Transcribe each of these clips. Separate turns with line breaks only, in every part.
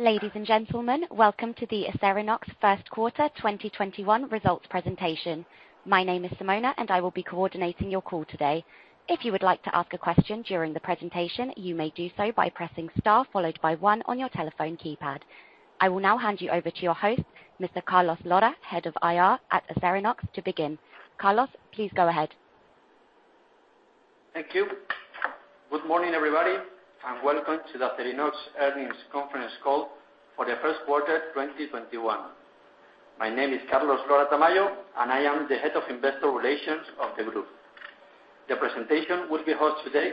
Ladies and gentlemen, welcome to the Acerinox First-Quarter 2021 Results Presentation. My name is Simona, and I will be coordinating your call today. If you would like to ask a question during the presentation, you may do so by pressing star followed by one on your telephone keypad. I will now hand you over to your host, Mr. Carlos Lora-Tamayo, Head of IR at Acerinox, to begin. Carlos, please go ahead.
Thank you. Good morning, everybody, and welcome to the Acerinox earnings conference call for the first quarter 2021. My name is Carlos Lora-Tamayo, and I am the Head of Investor Relations of the group. The presentation will be hosted today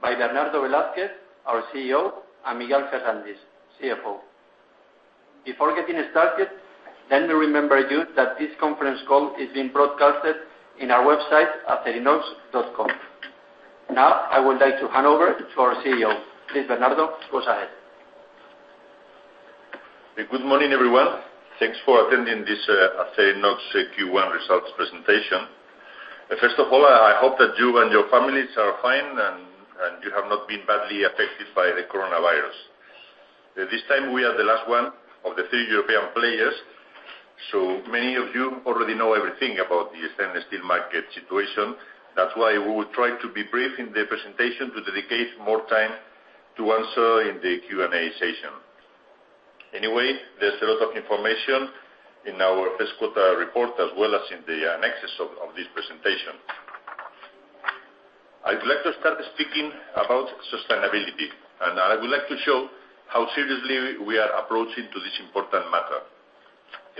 by Bernardo Velázquez, our CEO, and Miguel Ferrandis, CFO. Before getting started, let me remember you that this conference call is being broadcasted in our website, acerinox.com. I would like to hand over to our CEO. Please, Bernardo, go ahead.
Good morning, everyone. Thanks for attending this Acerinox Q1 results presentation. First of all, I hope that you and your families are fine and you have not been badly affected by the coronavirus. This time, we are the last one of the three European players, so many of you already know everything about the stainless steel market situation. That's why we will try to be brief in the presentation to dedicate more time to answer in the Q&A session. There's a lot of information in our first-quarter report, as well as in the annexes of this presentation. I would like to start speaking about sustainability, and I would like to show how seriously we are approaching to this important matter.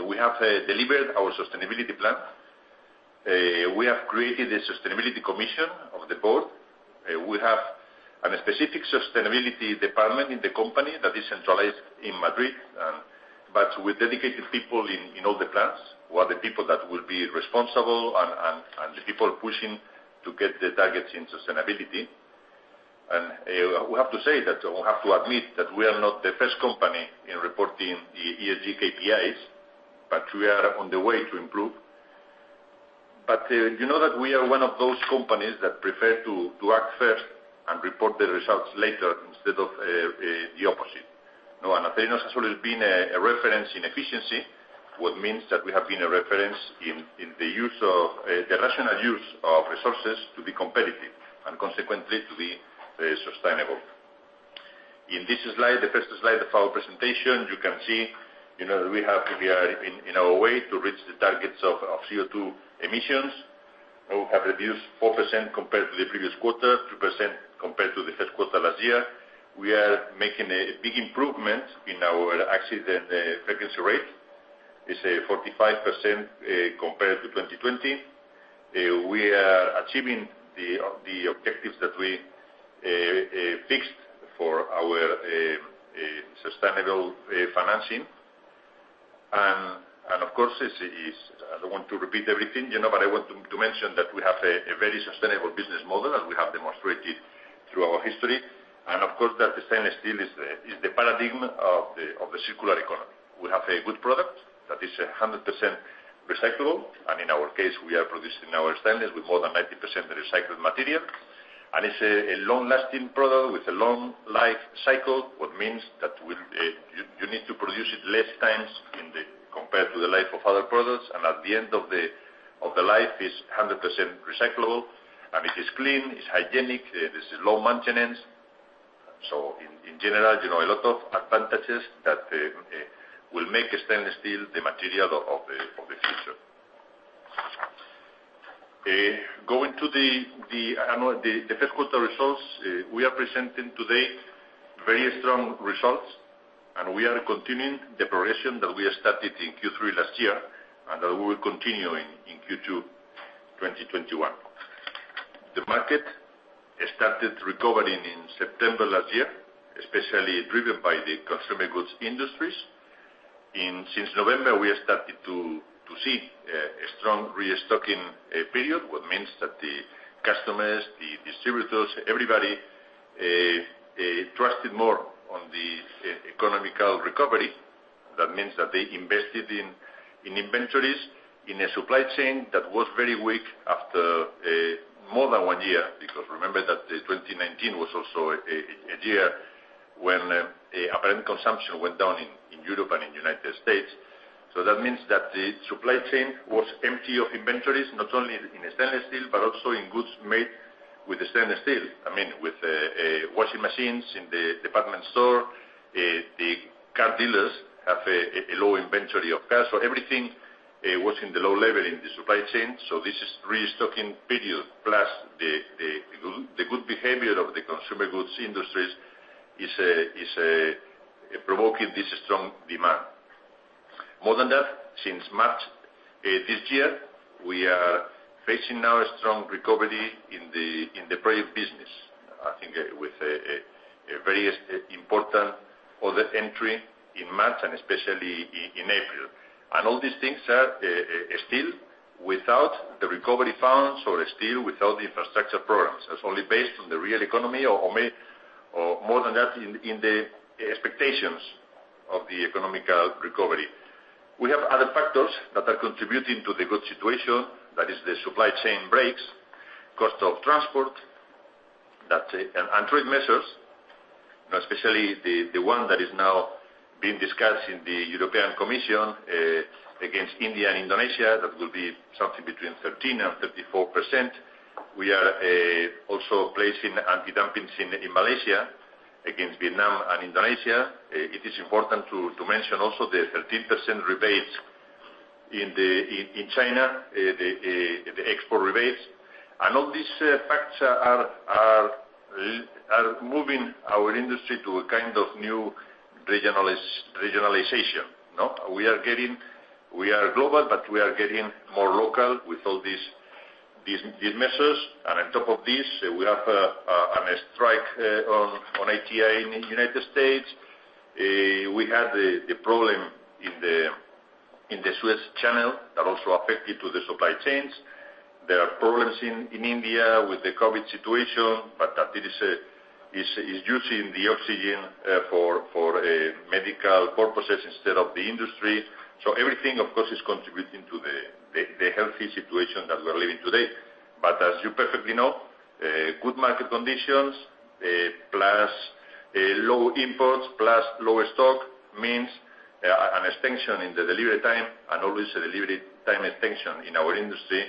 We have delivered our sustainability plan. We have created a sustainability commission of the Board. We have a specific sustainability department in the company that is centralized in Madrid, but with dedicated people in all the plants who are the people that will be responsible and the people pushing to get the targets in sustainability. We have to admit that we are not the first company in reporting the ESG KPIs, but we are on the way to improve. You know that we are one of those companies that prefer to act first and report the results later instead of the opposite. Now, Acerinox has always been a reference in efficiency, what means that we have been a reference in the rational use of resources to be competitive, and consequently, to be very sustainable. On this slide—the first slide of our presentation, you can see we are in our way to reach the targets of CO2 emissions. We have reduced 4% compared to the previous quarter, 2% compared to the first quarter last year. We are making a big improvement in our accident frequency rate. It's 45% compared to 2020. We are achieving the objectives that we fixed for our sustainable financing. Of course, I don't want to repeat everything, but I want to mention that we have a very sustainable business model, as we have demonstrated through our history. Of course, that the stainless steel is the paradigm of the circular economy. We have a good product that is 100% recyclable, and in our case, we are producing our stainless with more than 90% recycled material. It's a long-lasting product with a long life cycle, which means that you need to produce it less times compared to the life of other products. At the end of the life, it's 100% recyclable. It is clean, it's hygienic, it is low maintenance. In general, a lot of advantages that will make stainless steel the material of the future. Going to the first-quarter results, we are presenting today very strong results, and we are continuing the progression that we started in Q3 last year and that we will continue in Q2 2021. The market started recovering in September last year, especially driven by the consumer goods industries. Since November, we have started to see a strong restocking period, what means that the customers, the distributors, everybody trusted more on the economic recovery. That means that they invested in inventories in a supply chain that was very weak after more than one year. Remember that 2019 was also a year when apparent consumption went down in Europe and in the U.S. That means that the supply chain was empty of inventories, not only in stainless steel, but also in goods made with stainless steel. I mean, with washing machines in the department store. The car dealers have a low inventory of cars. Everything was in the low level in the supply chain. This restocking period plus the good behavior of the consumer goods industries is provoking this strong demand. More than that, since March this year, we are facing now a strong recovery in the project business, I think with a very important order entry in March and especially in April. All these things are still without the recovery funds or still without the infrastructure programs. That's only based on the real economy or more than that, in the expectations of the economic recovery. We have other factors that are contributing to the good situation. That is the supply chain breaks, cost of transport. Trade measures, especially the one that is now being discussed in the European Commission against India and Indonesia, that will be something between 13% and 34%. We are also placing antidumping in Malaysia against Vietnam and Indonesia. It is important to mention also the 13% rebates in China, the export rebates. All these factors are moving our industry to a kind of new regionalization. We are global, but we are getting more local with all these measures. On top of this, we have a strike on ATI in the U.S. We had the problem in the Suez Canal that also affected the supply chains. There are problems in India with the COVID situation, but that it is using the oxygen for medical purposes instead of the industry. Everything, of course, is contributing to the healthy situation that we're living today. As you perfectly know, good market conditions, plus low imports, plus low stock means an extension in the delivery time, and always a delivery time extension in our industry,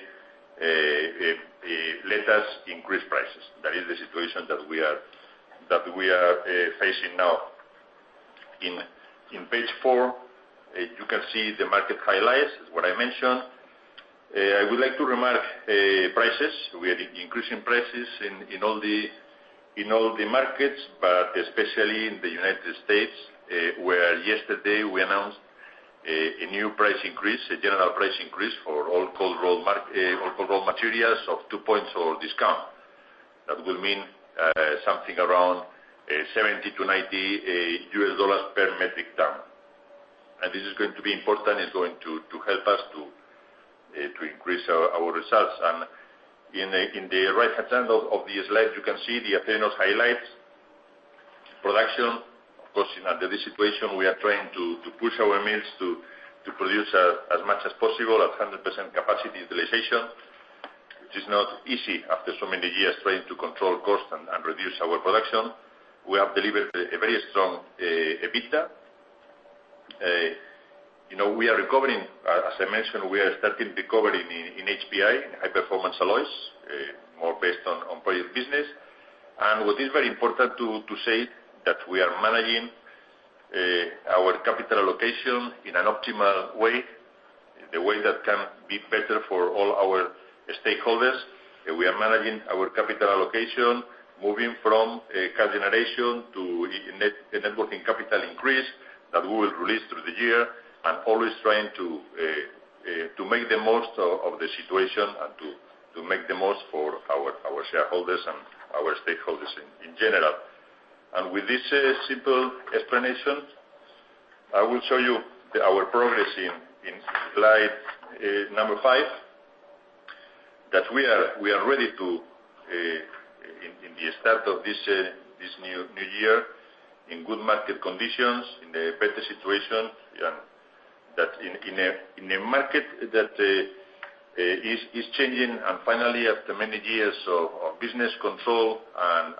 let us increase prices. That is the situation that we are facing now. In page four, you can see the market highlights, what I mentioned. I would like to remark prices. We are increasing prices in all the markets, but especially in the United States, where yesterday we announced a new price increase, a general price increase for all cold rolled materials of 2 points or discount. That will mean something around $70-$90 per metric ton. This is going to be important, it's going to help us to increase our results. In the right-hand side of the slide, you can see the Acerinox highlights. Production, of course, under this situation, we are trying to push our means to produce as much as possible at 100% capacity utilization, which is not easy after so many years trying to control cost and reduce our production. We have delivered a very strong EBITDA. As I mentioned, we are starting recovery in HPA, High Performance Alloys, more based on project business. What is very important to say that we are managing our capital allocation in an optimal way, the way that can be better for all our stakeholders. We are managing our capital allocation, moving from cash generation to net working capital increase that we will release through the year, and always trying to make the most of the situation and to make the most for our shareholders and our stakeholders in general. With this simple explanation, I will show you our progress in slide number five, that we are ready to, in the start of this new year, in good market conditions, in a better situation. In a market that is changing, finally, after many years of business control and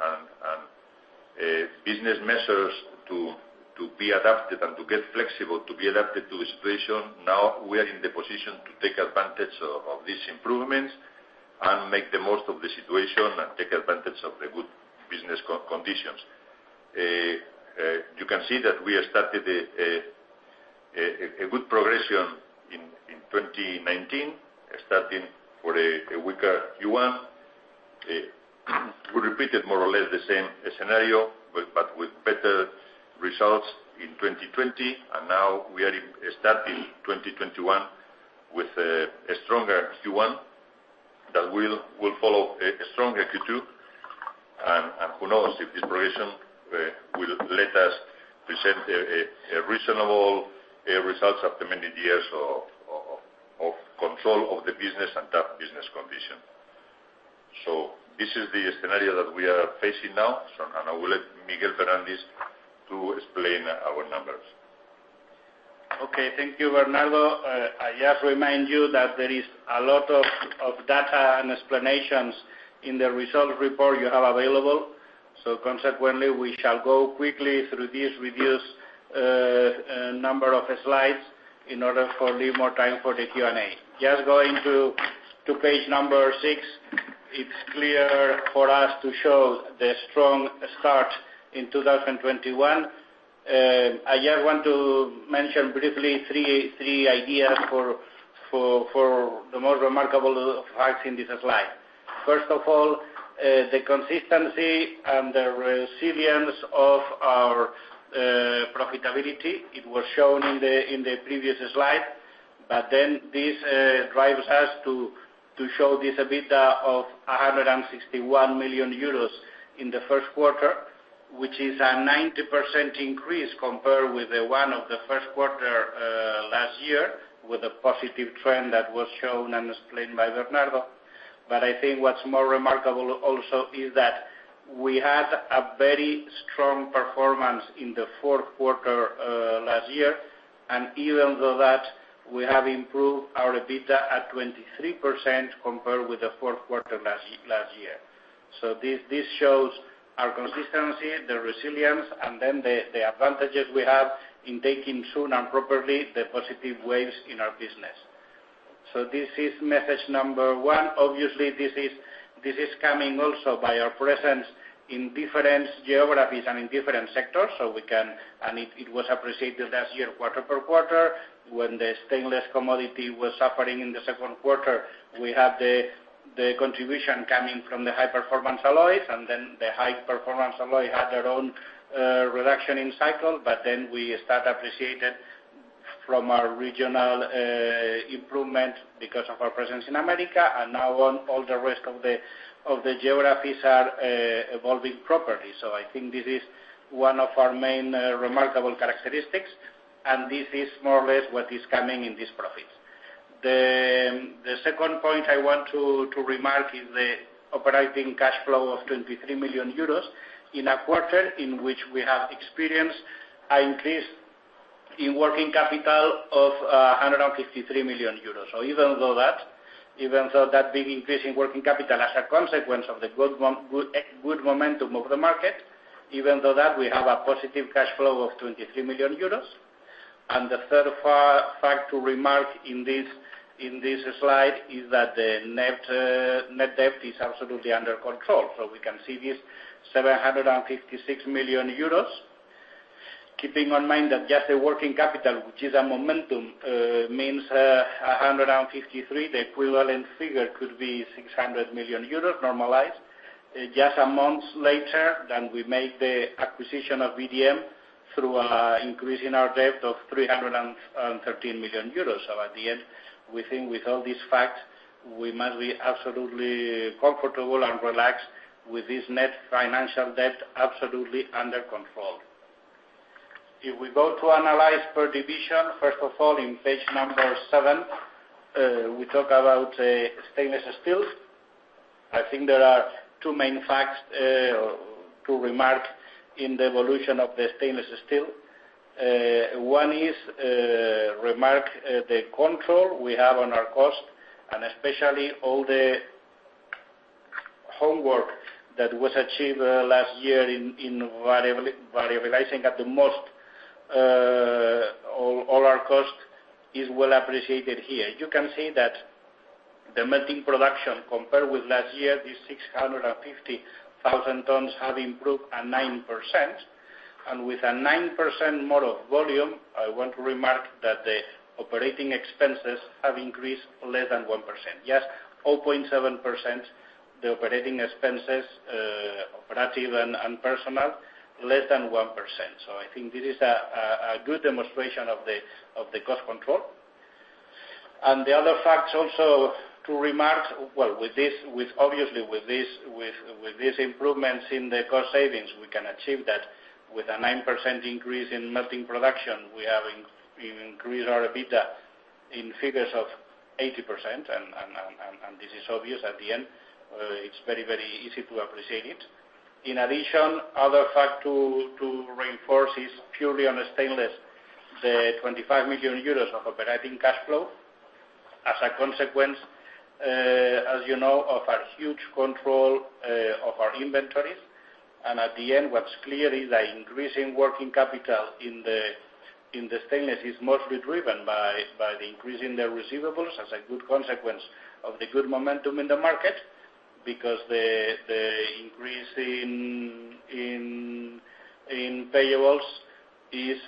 business measures to be adapted and to get flexible, to be adapted to the situation, now we are in the position to take advantage of these improvements and make the most of the situation and take advantage of the good business conditions. You can see that we started a good progression in 2019, starting for a weaker Q1. We repeated more or less the same scenario, with better results in 2020. Now we are starting 2021 with a stronger Q1 that will follow a stronger Q2. Who knows if this progression will let us present a reasonable results after many years of control of the business and tough business condition. This is the scenario that we are facing now, and I will let Miguel Ferrandis to explain our numbers.
Okay. Thank you, Bernardo. I just remind you that there is a lot of data and explanations in the results report you have available. Consequently, we shall go quickly through these reduced number of slides in order to leave more time for the Q&A. Just going to page number six, it's clear for us to show the strong start in 2021. I just want to mention briefly three ideas for the most remarkable facts in this slide. First of all, the consistency and the resilience of our profitability. It was shown in the previous slide, but then this drives us to show this EBITDA of 161 million euros in the first quarter, which is a 90% increase compared with the one of the first quarter last year, with a positive trend that was shown and explained by Bernardo. I think what's more remarkable also is that we had a very strong performance in the fourth quarter last year. Even though that, we have improved our EBITDA at 23% compared with the fourth quarter last year. This shows our consistency, the resilience, and the advantages we have in taking soon and properly the positive waves in our business. This is message number one. Obviously, this is coming also by our presence in different geographies and in different sectors. It was appreciated last year, quarter per quarter, when the stainless commodity was suffering in the second quarter, we had the contribution coming from the High Performance Alloys, and the High Performance Alloys had their own reduction in cycle, then we start appreciated from our regional improvement because of our presence in America, and now on all the rest of the geographies are evolving properly. I think this is one of our main remarkable characteristics, and this is more or less what is coming in these profits. The second point I want to remark is the operating cash flow of 23 million euros in a quarter in which we have experienced an increase in working capital of 153 million euros. Even though that big increase in working capital as a consequence of the good momentum of the market, even though that we have a positive cash flow of 23 million euros. The third fact to remark in this slide is that the net debt is absolutely under control. We can see this 756 million euros. Keeping in mind that just the working capital, which is a momentum, means 153, the equivalent figure could be 600 million euros normalized. Just a month later, then we made the acquisition of VDM through increasing our debt of 313 million euros. At the end, we think with all these facts, we must be absolutely comfortable and relaxed with this net financial debt absolutely under control. We go to analyze per division, first of all, in page number seven, we talk about stainless steels. I think there are two main facts to remark in the evolution of the stainless steel. One is remark the control we have on our cost, and especially all the homework that was achieved last year in variabilizing at the most all our cost is well appreciated here. You can see that the melting production compared with last year, these 650,000 tons have improved at 9%. With a 9% more volume, I want to remark that the operating expenses have increased less than 1%. Just 0.7% the operating expenses, operative and personnel, less than 1%. I think this is a good demonstration of the cost control. The other facts also to remark, obviously with these improvements in the cost savings, we can achieve that with a 9% increase in melting production, we have increased our EBITDA in figures of 80%. This is obvious at the end. It's very easy to appreciate it. In addition, other fact to reinforce is purely on the stainless, the 25 million euros of operating cash flow. As a consequence, as you know, of our huge control of our inventories. At the end, what's clear is that increase in working capital in the stainless is mostly driven by the increase in the receivables as a good consequence of the good momentum in the market, because the increase in payables is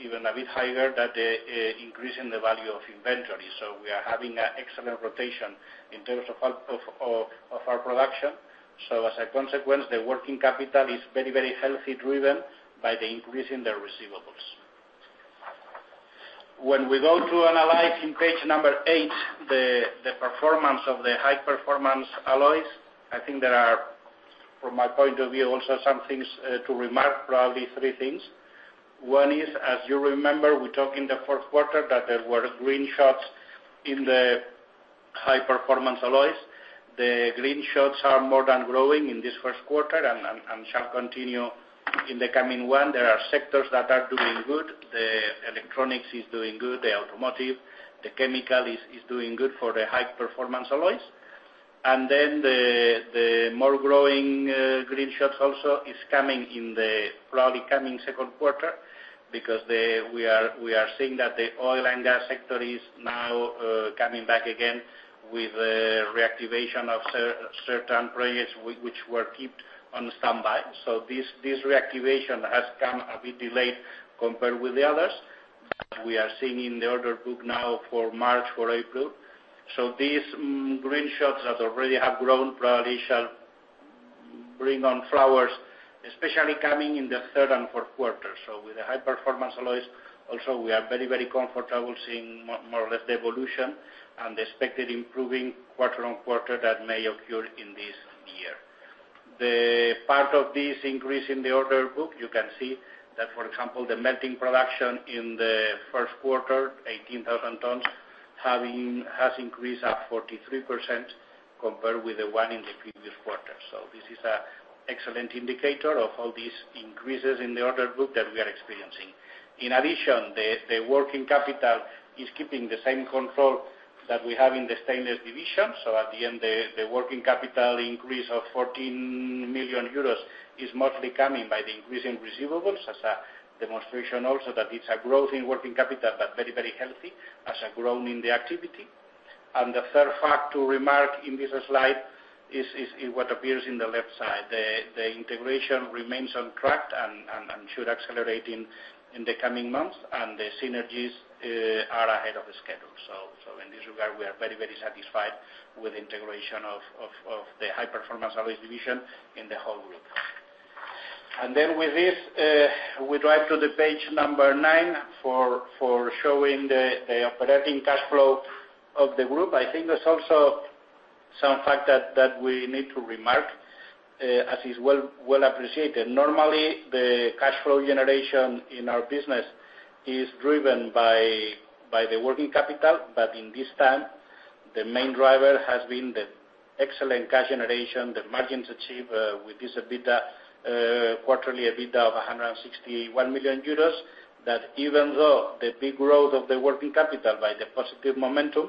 even a bit higher than the increase in the value of inventory. We are having an excellent rotation in terms of our production. As a consequence, the working capital is very healthy, driven by the increase in the receivables. When we go to analyze in page number eight, the performance of the High Performance Alloys, I think there are, from my point of view, also some things to remark, probably three things. One is, as you remember, we talked in the fourth quarter that there were green shoots in the High Performance Alloys. The green shoots are more than growing in this first quarter and shall continue in the coming one. There are sectors that are doing good. The electronics is doing good, the automotive, the chemical is doing good for the High Performance Alloys. Then the more growing green shoots also is coming in the probably coming second quarter because we are seeing that the oil and gas sector is now coming back again with reactivation of certain projects which were kept on standby. This reactivation has come a bit delayed compared with the others that we are seeing in the order book now for March, for April. These green shoots that already have grown probably shall bring on flowers, especially coming in the third and fourth quarter. With the High Performance Alloys, also we are very comfortable seeing more or less the evolution and the expected improving quarter on quarter that may occur in this year. The part of this increase in the order book, you can see that, for example, the melting production in the first quarter, 18,000 tons, has increased at 43% compared with the one in the previous quarter. This is an excellent indicator of all these increases in the order book that we are experiencing. The working capital is keeping the same control that we have in the stainless division. At the end, the working capital increase of 14 million euros is mostly coming by the increasing receivables as a demonstration also that it's a growth in working capital, but very healthy as a growth in the activity. The third fact to remark in this slide is what appears in the left side. The integration remains on track and should accelerate in the coming months. The synergies are ahead of the schedule. In this regard, we are very satisfied with integration of the High Performance Alloys division in the whole group. With this, we drive to the page number nine for showing the operating cash flow of the group. I think there's also some fact that we need to remark, as is well appreciated. Normally, the cash flow generation in our business is driven by the working capital. In this time, the main driver has been the excellent cash generation, the margins achieved with this quarterly EBITDA of 161 million euros, that even though the big growth of the working capital by the positive momentum,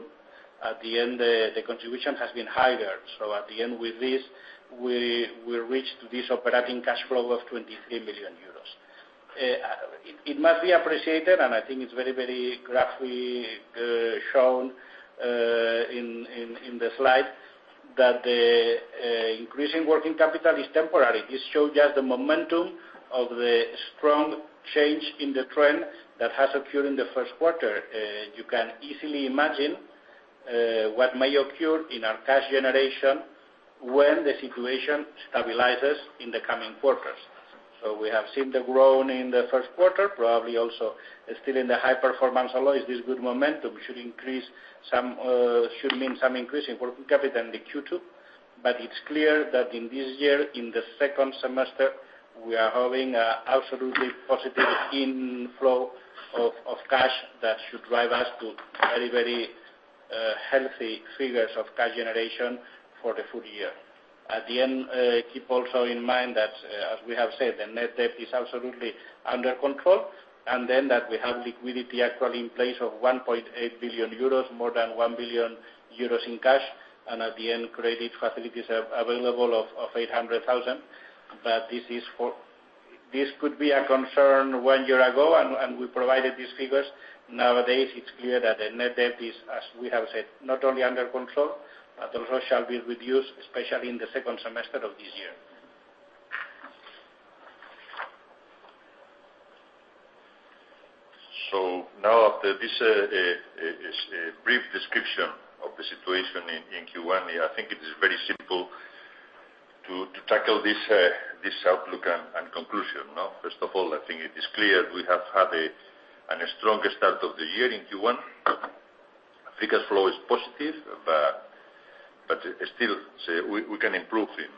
at the end, the contribution has been higher. At the end with this, we reached this operating cash flow of 23 million euros. It must be appreciated, I think it's very graphically shown in the slide that the increasing working capital is temporary. This shows just the momentum of the strong change in the trend that has occurred in the first quarter. You can easily imagine what may occur in our cash generation when the situation stabilizes in the coming quarters. We have seen the growth in the first quarter, probably also still in the High Performance Alloys, this good momentum should mean some increase in working capital in the Q2. It's clear that in this year, in the second semester, we are having absolutely positive inflow of cash that should drive us to very healthy figures of cash generation for the full year. At the end, keep also in mind that, as we have said, the net debt is absolutely under control, and then that we have liquidity actually in place of 1.8 billion euros, more than 1 billion euros in cash, and at the end, credit facilities available of 800,000. This could be a concern one year ago, and we provided these figures. Nowadays, it is clear that the net debt is, as we have said, not only under control, but also shall be reduced, especially in the second semester of this year.
Now after this brief description of the situation in Q1, I think it is very simple to tackle this outlook and conclusion. First of all, I think it is clear we have had a strong start of the year in Q1. Free cash flow is positive, still, we can improve in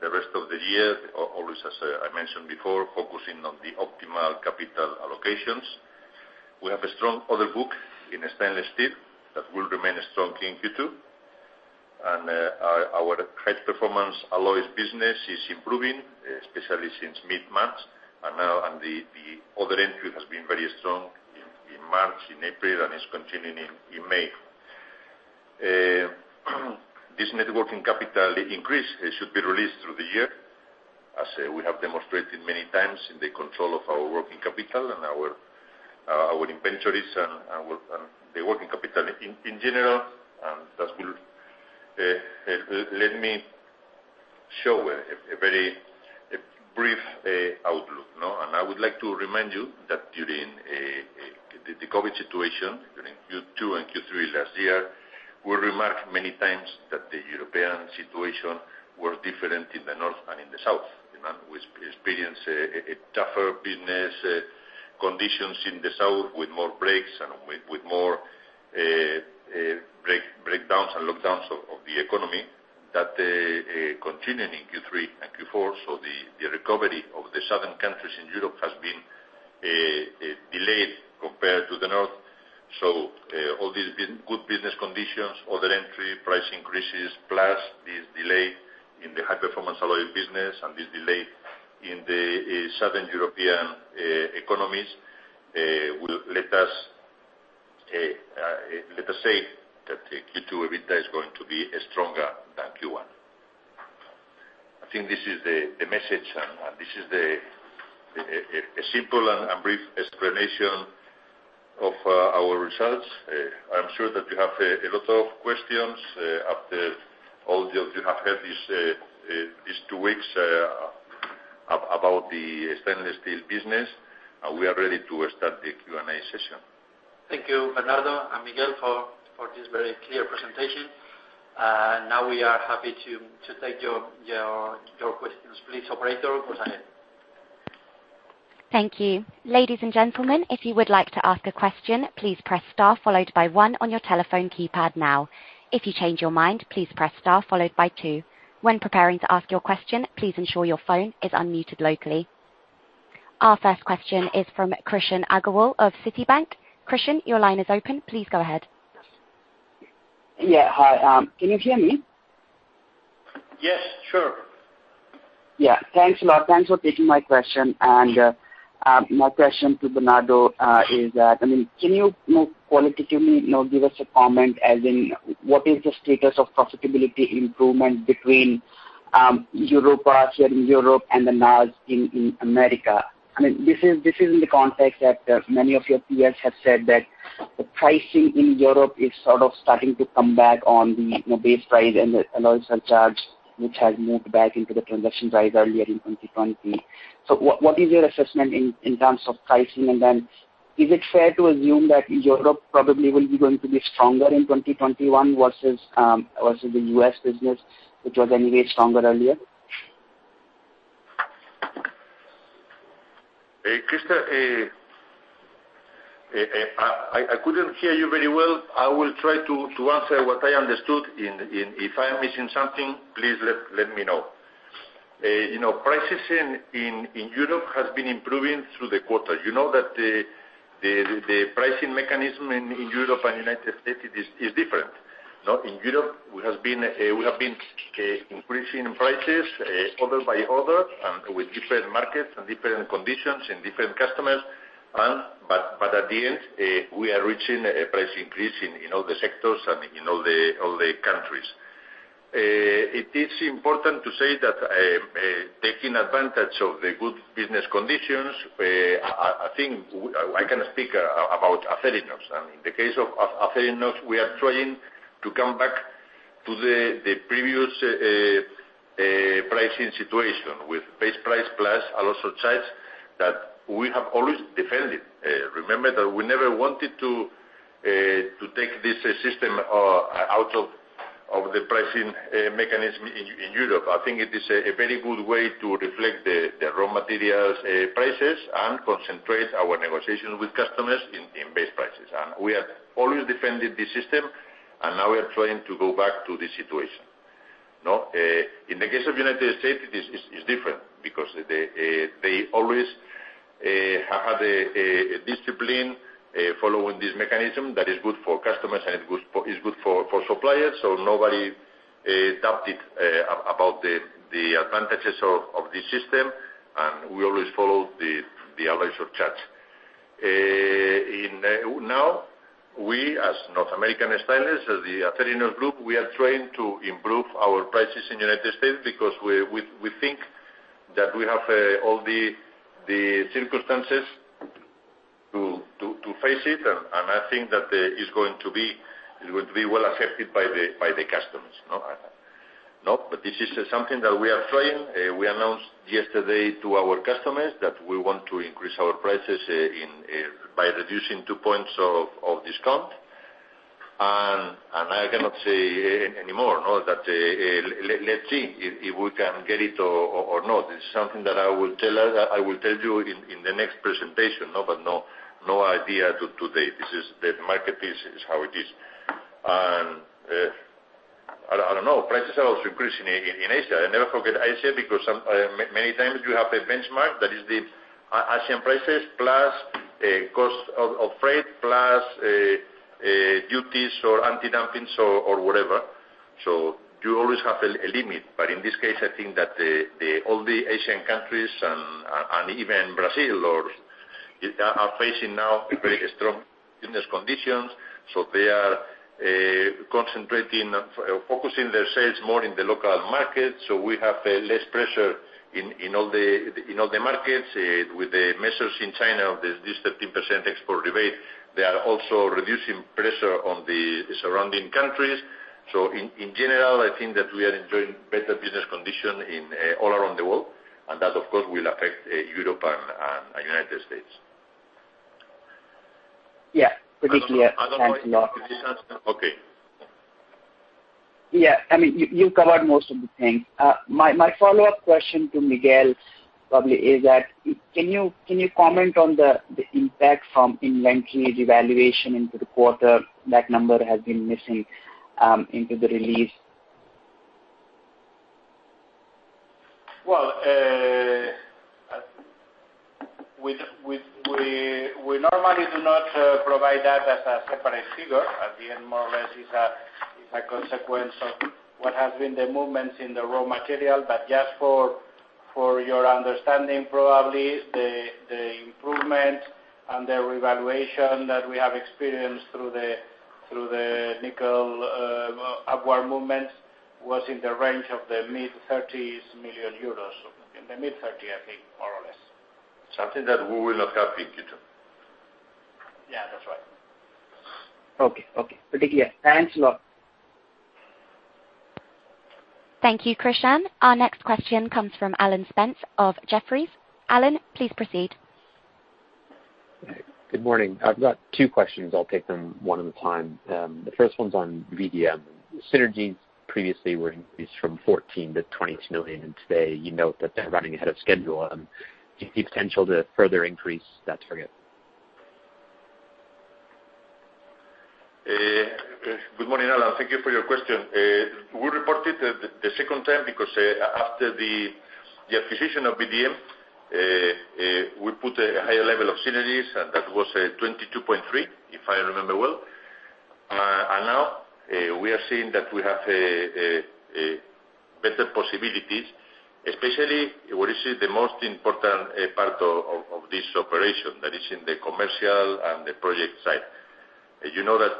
the rest of the year, always, as I mentioned before, focusing on the optimal capital allocations. We have a strong order book in stainless steel that will remain strong in Q2. Our High Performance Alloys business is improving, especially since mid-March, and the order entry has been very strong in March, in April, and is continuing in May. This net working capital increase should be released through the year, as we have demonstrated many times in the control of our working capital and our inventories and the working capital in general. Let me show a very brief outlook. I would like to remind you that during the COVID situation, during Q2 and Q3 last year, we remarked many times that the European situation were different in the North and in the South. We experienced tougher business conditions in the South with more breaks and with more breakdowns and lockdowns of the economy that continued in Q3 and Q4. The recovery of the southern countries in Europe has been delayed compared to the North. All these good business conditions, order entry, price increases, plus this delay in the High Performance Alloys business and this delay in the southern European economies will let us say that the Q2 EBITDA is going to be stronger than Q1. I think this is the message, and this is a simple and brief explanation of our results. I am sure that you have a lot of questions after all you have heard these two weeks about the stainless steel business. We are ready to start the Q&A session.
Thank you, Bernardo and Miguel, for this very clear presentation. Now we are happy to take your questions. Please, operator, go ahead.
Thank you. Ladies and gentlemen, if you would like to ask a question, please press star followed by one on your telephone keypad now. If you change your mind, please press star followed by two. When preparing to ask your question, please ensure your phone is unmuted locally. Our first question is from Krishan Agarwal of Citi. Krishan, your line is open. Please go ahead.
Yeah. Hi. Can you hear me?
Yes, sure.
Yeah. Thanks a lot. Thanks for taking my question. My question to Bernardo is that, can you qualitatively give us a comment as in, what is the status of profitability improvement between Europe here in Europe and then now in America? This is in the context that many of your peers have said that the pricing in Europe is sort of starting to come back on the base price and the alloy surcharge, which has moved back into the transaction price earlier in 2020. What is your assessment in terms of pricing? Is it fair to assume that Europe probably will be going to be stronger in 2021 versus the U.S. business, which was anyway stronger earlier?
Krishan, I couldn't hear you very well. I will try to answer what I understood. If I am missing something, please let me know. Prices in Europe has been improving through the quarter. You know that the pricing mechanism in Europe and United States is different. In Europe, we have been increasing prices order by order and with different markets and different conditions and different customers. At the end, we are reaching a price increase in all the sectors and in all the countries. It is important to say that taking advantage of the good business conditions, I think I can speak about Acerinox. In the case of Acerinox, we are trying to come back to the previous pricing situation with base price plus alloy surcharge that we have always defended. Remember that we never wanted to take this system out of the pricing mechanism in Europe. I think it is a very good way to reflect the raw materials prices and concentrate our negotiations with customers in base prices. We have always defended this system, and now we are trying to go back to this situation. In the case of U.S., it's different because they always have had a discipline following this mechanism that is good for customers and it is good for suppliers. Nobody doubted about the advantages of this system, and we always follow the alloy surcharge. We, as North American Stainless, as the Acerinox group, we are trying to improve our prices in U.S. because we think that we have all the circumstances to face it, and I think that it's going to be well affected by the customers. This is something that we are trying. We announced yesterday to our customers that we want to increase our prices by reducing two points of discount. I cannot say anymore. Let's see if we can get it or not. This is something that I will tell you in the next presentation. No idea today. The market is how it is. I don't know. Prices are also increasing in Asia. I never forget Asia because many times you have a benchmark that is the Asian prices plus cost of freight plus duties or anti-dumping or whatever. You always have a limit. In this case, I think that all the Asian countries and even Brazil are facing now very strong business conditions. They are concentrating, focusing their sales more in the local market. We have less pressure in all the markets. With the measures in China, this 15% export rebate, they are also reducing pressure on the surrounding countries. In general, I think that we are enjoying better business condition in all around the world, and that, of course, will affect Europe and United States.
Yeah. Pretty clear. Thanks a lot.
Okay.
Yeah. You covered most of the things. My follow-up question to Miguel probably is that, can you comment on the impact from inventory revaluation into the quarter? That number has been missing into the release.
Well, we normally do not provide that as a separate figure. At the end, more or less, it's a consequence of what has been the movements in the raw material. Just for your understanding, probably, the improvement and the revaluation that we have experienced through the nickel upward movement was in the range of the mid-30s million euros. In the mid-30, I think, more or less. Something that we will look up in Q2.
Yeah, that's right.
Okay. Pretty clear. Thanks a lot.
Thank you, Krishan. Our next question comes from Alan Spence of Jefferies. Alan, please proceed.
Good morning. I've got two questions. I'll take them one at a time. The first one's on VDM. Synergies previously were increased from 14 million-20 million, and today you note that they're running ahead of schedule. Do you see potential to further increase that target?
Good morning, Alan. Thank you for your question. We reported the second time because after the acquisition of VDM, we put a higher level of synergies and that was 22.3, if I remember well. Now we are seeing that we have better possibilities, especially where you see the most important part of this operation, that is in the commercial and the project side. You know that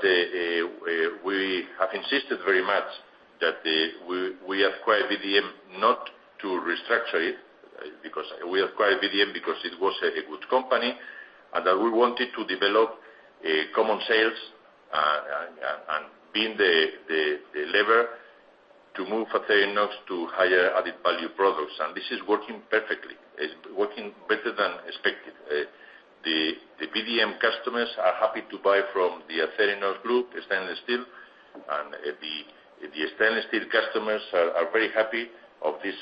we have insisted very much that we acquired VDM not to restructure it. We acquired VDM because it was a good company, and that we wanted to develop common sales, and being the lever to move Acerinox to higher added-value products. This is working perfectly. It's working better than expected. The VDM customers are happy to buy from the Acerinox group, stainless steel. The stainless steel customers are very happy of this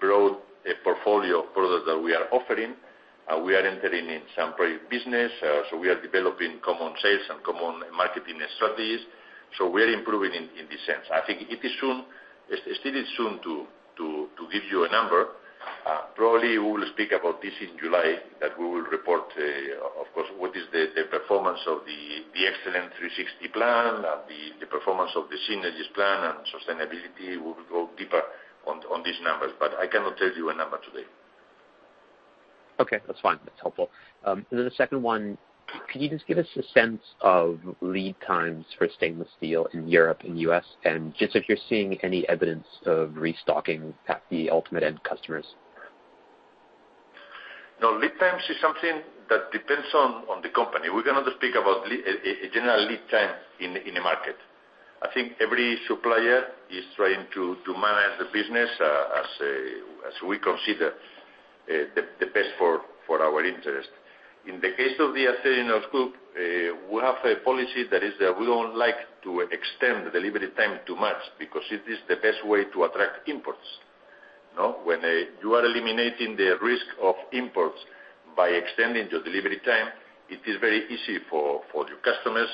broad portfolio of products that we are offering. We are entering in some project business. We are developing common sales and common marketing strategies. We are improving in this sense. I think it still is soon to give you a number. Probably, we will speak about this in July, that we will report, of course, what is the performance of the Excellence 360º plan and the performance of the synergies plan and sustainability. We will go deeper on these numbers. I cannot tell you a number today.
Okay, that's fine. That's helpful. The second one, could you just give us a sense of lead times for stainless steel in Europe and U.S., and just if you're seeing any evidence of restocking at the ultimate end customers?
No, lead times is something that depends on the company. We cannot speak about general lead time in a market. I think every supplier is trying to manage the business as we consider the best for our interest. In the case of the Acerinox Group, we have a policy that is that we don't like to extend the delivery time too much, because it is the best way to attract imports. When you are eliminating the risk of imports by extending your delivery time, it is very easy for your customers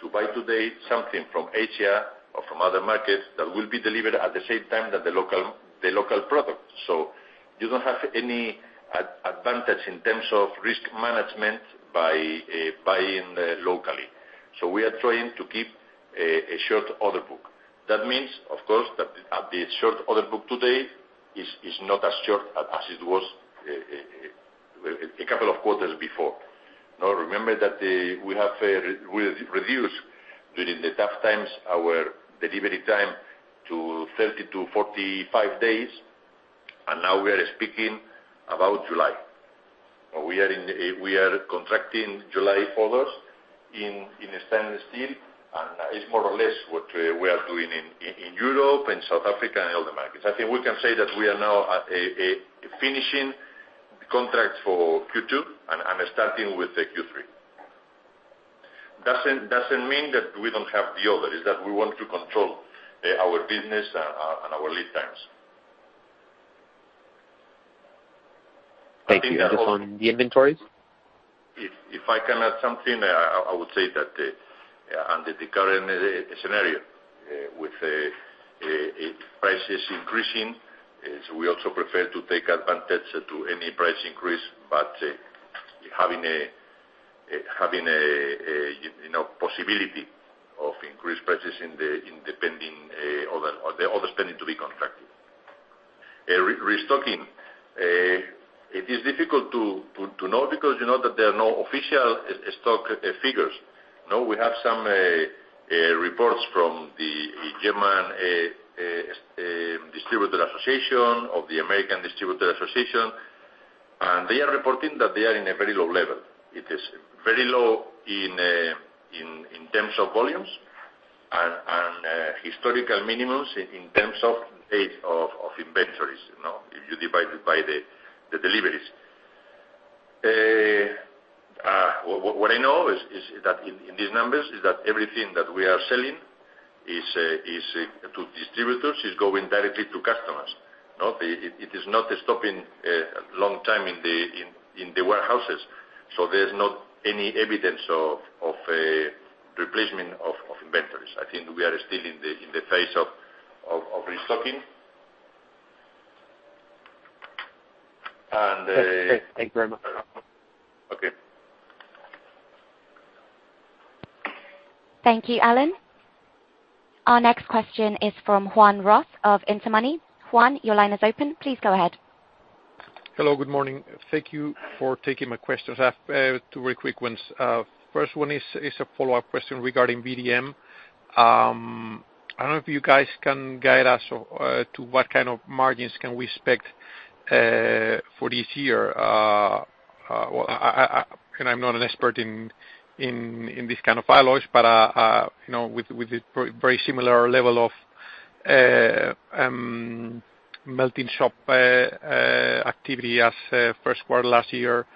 to buy today something from Asia or from other markets that will be delivered at the same time that the local product. You don't have any advantage in terms of risk management by buying locally. We are trying to keep a short order book. That means, of course, that the short order book today is not as short as it was a couple of quarters before. Now, remember that we have reduced, during the tough times, our delivery time to 30-45 days, and now we are speaking about July. We are contracting July orders in stainless steel, and it's more or less what we are doing in Europe and South Africa and other markets. I think we can say that we are now at finishing contracts for Q2 and starting with Q3. Doesn't mean that we don't have the orders, it's that we want to control our business and our lead times.
Thank you. Just on the inventories?
If I can add something, I would say that under the current scenario, with prices increasing, we also prefer to take advantage to any price increase, but having a possibility of increased prices in the order spending to be contracted. Restocking. It is difficult to know because you know that there are no official stock figures. We have some reports from the German Distributor Association, of the American Distributor Association, they are reporting that they are in a very low level. It is very low in terms of volumes and historical minimums in terms of inventories, if you divide it by the deliveries. What I know in these numbers is that everything that we are selling to distributors is going directly to customers. It is not stopping long time in the warehouses. There's not any evidence of replacement of inventories. I think we are still in the phase of restocking.
Great. Thank you very much.
Okay.
Thank you, Alan. Our next question is from Juan Ros of Intermoney. Juan, your line is open. Please go ahead.
Hello, good morning. Thank you for taking my questions. I have two very quick ones. First one is a follow-up question regarding VDM. I don't know if you guys can guide us to what kind of margins can we expect for this year. I'm not an expert in this kind of alloys, but with the very similar level of melting shop activity as first quarter last year,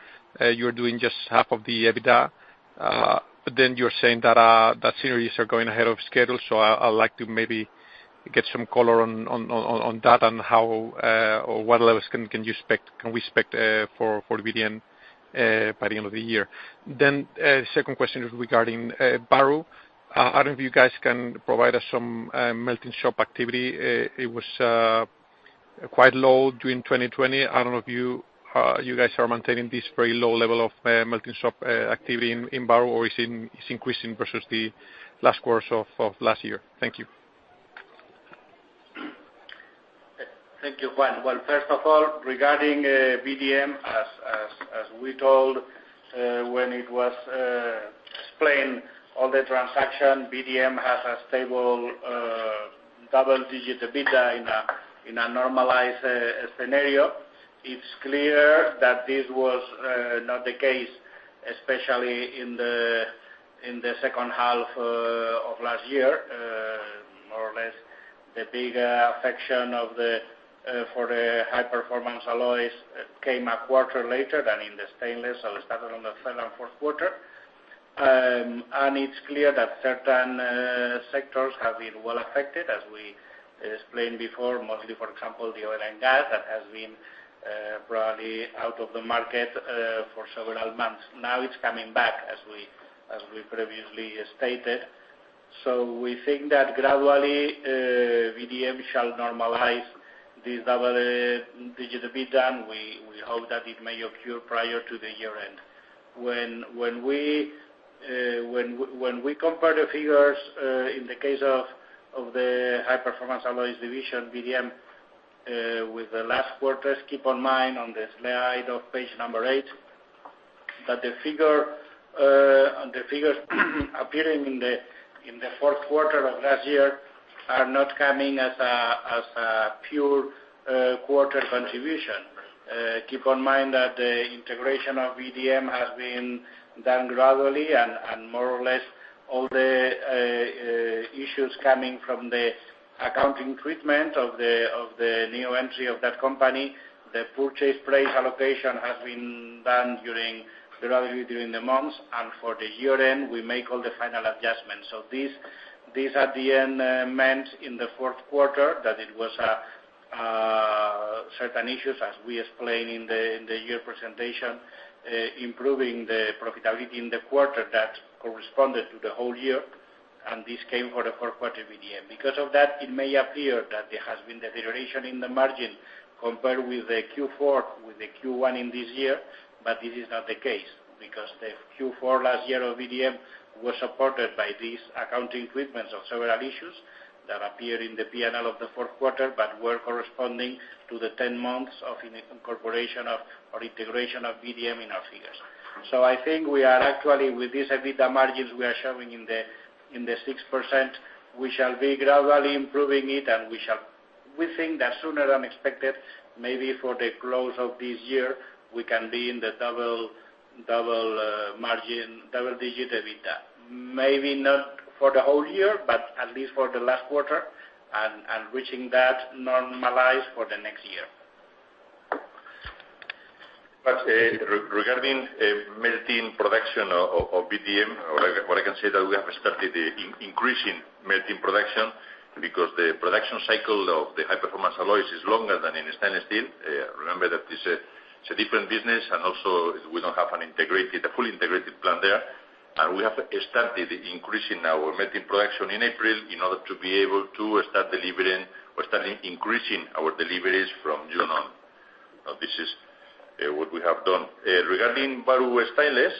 you're doing just half of the EBITDA. You're saying that synergies are going ahead of schedule, so I'd like to maybe get some color on that and what levels can we expect for VDM by the end of the year. Second question is regarding Bahru. I don't know if you guys can provide us some melting shop activity. It was quite low during 2020. I don't know if you guys are maintaining this very low level of melting shop activity in Bahru, or is it increasing versus the last quarters of last year? Thank you.
Thank you, Juan. Well, first of all, regarding VDM, as we told when it was explained on the transaction, VDM has a stable double-digit EBITDA in a normalized scenario. It's clear that this was not the case, especially in the second half of last year. More or less, the big affection for the High Performance Alloys came a quarter later than in the stainless. It started on the third and fourth quarter. It's clear that certain sectors have been well affected, as we explained before, mostly, for example, the oil and gas, that has been broadly out of the market for several months. Now it's coming back, as we previously stated. We think that gradually, VDM shall normalize this double-digit EBITDA, and we hope that it may occur prior to the year-end. When we compare the figures in the case of the High Performance Alloys division, VDM, with the last quarters, keep in mind on the slide of page number eight, that the figures appearing in the fourth quarter of last year are not coming as a pure quarter contribution. Keep in mind that the integration of VDM has been done gradually and more or less all the issues coming from the accounting treatment of the new entry of that company, the purchase price allocation has been done gradually during the months. For the year-end, we make all the final adjustments. This at the end meant in the fourth quarter that it was certain issues, as we explained in the year presentation, improving the profitability in the quarter that corresponded to the whole year, and this came for the fourth quarter VDM. Of that, it may appear that there has been deterioration in the margin compared with the Q4, with the Q1 in this year, but this is not the case. The Q4 last year of VDM was supported by these accounting treatments of several issues that appeared in the P&L of the fourth quarter but were corresponding to the 10 months of the incorporation of or integration of VDM in our figures. I think we are actually, with these EBITDA margins we are showing in the 6%, we shall be gradually improving it, and we think that sooner than expected, maybe for the close of this year, we can be in the double margin, double-digit EBITDA. Maybe not for the whole year, at least for the last quarter and reaching that normalized for the next year.
Regarding melting production of VDM, what I can say that we have started increasing melting production because the production cycle of the High Performance Alloys is longer than in stainless steel. Remember that this is a different business, and also we don't have a fully integrated plant there. We have started increasing our melting production in April in order to be able to start delivering or start increasing our deliveries from June on. This is what we have done. Regarding Bahru Stainless,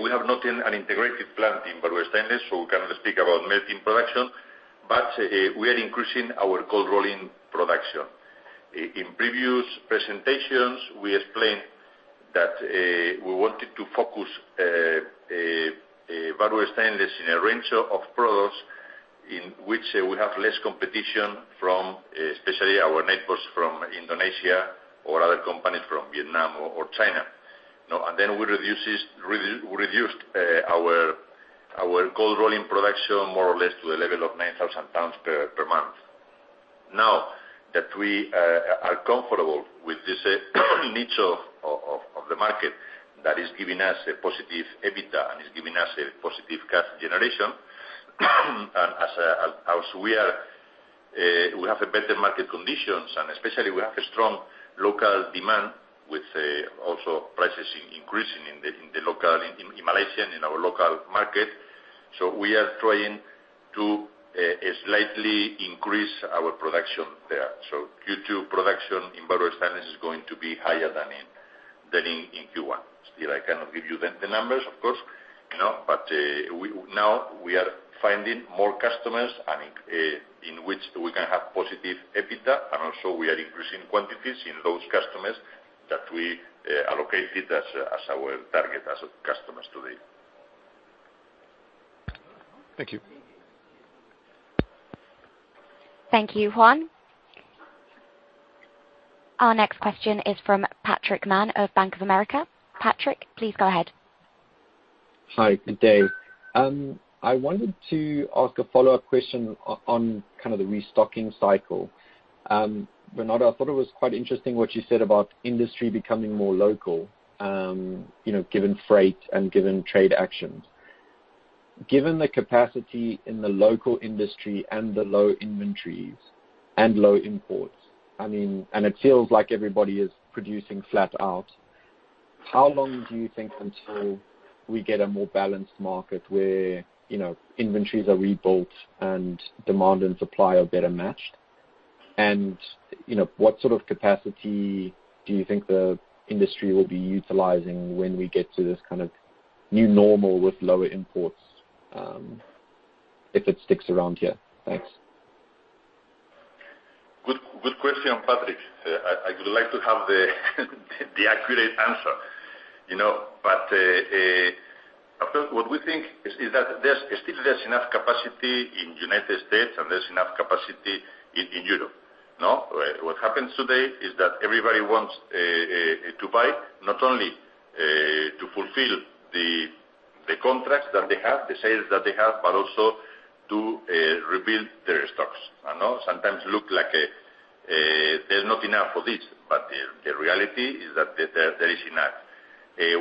we have not an integrated plant in Bahru Stainless, so we cannot speak about melting production. We are increasing our cold rolling production. In previous presentations, we explained that we wanted to focus Bahru Stainless in a range of products in which we have less competition from especially our neighbors from Indonesia or other companies from Vietnam or China. We reduced our cold rolling production more or less to the level of 9,000 tons per month. We are comfortable with this niche of the market that is giving us a positive EBITDA and is giving us a positive cash generation, and as we have better market conditions, and especially we have a strong local demand with also prices increasing in Malaysian, in our local market. We are trying to slightly increase our production there. Q2 production in Bahru Stainless is going to be higher than in Q1. Still, I cannot give you the numbers, of course. We are finding more customers in which we can have positive EBITDA, and also we are increasing quantities in those customers that we allocated as our target as customers today.
Thank you.
Thank you, Juan. Our next question is from Patrick Mann of Bank of America. Patrick, please go ahead.
Hi, good day. I wanted to ask a follow-up question on kind of the restocking cycle. Bernardo, I thought it was quite interesting what you said about industry becoming more local, given freight and given trade actions. Given the capacity in the local industry and the low inventories and low imports, and it feels like everybody is producing flat out. How long do you think until we get a more balanced market where inventories are rebuilt and demand and supply are better matched? What sort of capacity do you think the industry will be utilizing when we get to this kind of new normal with lower imports, if it sticks around here? Thanks.
Good question, Patrick. I would like to have the accurate answer. First, what we think is that still there's enough capacity in United States and there's enough capacity in Europe. What happens today is that everybody wants to buy, not only to fulfill the contracts that they have, the sales that they have, but also to rebuild their stocks. Sometimes look like there's not enough for this, but the reality is that there is enough.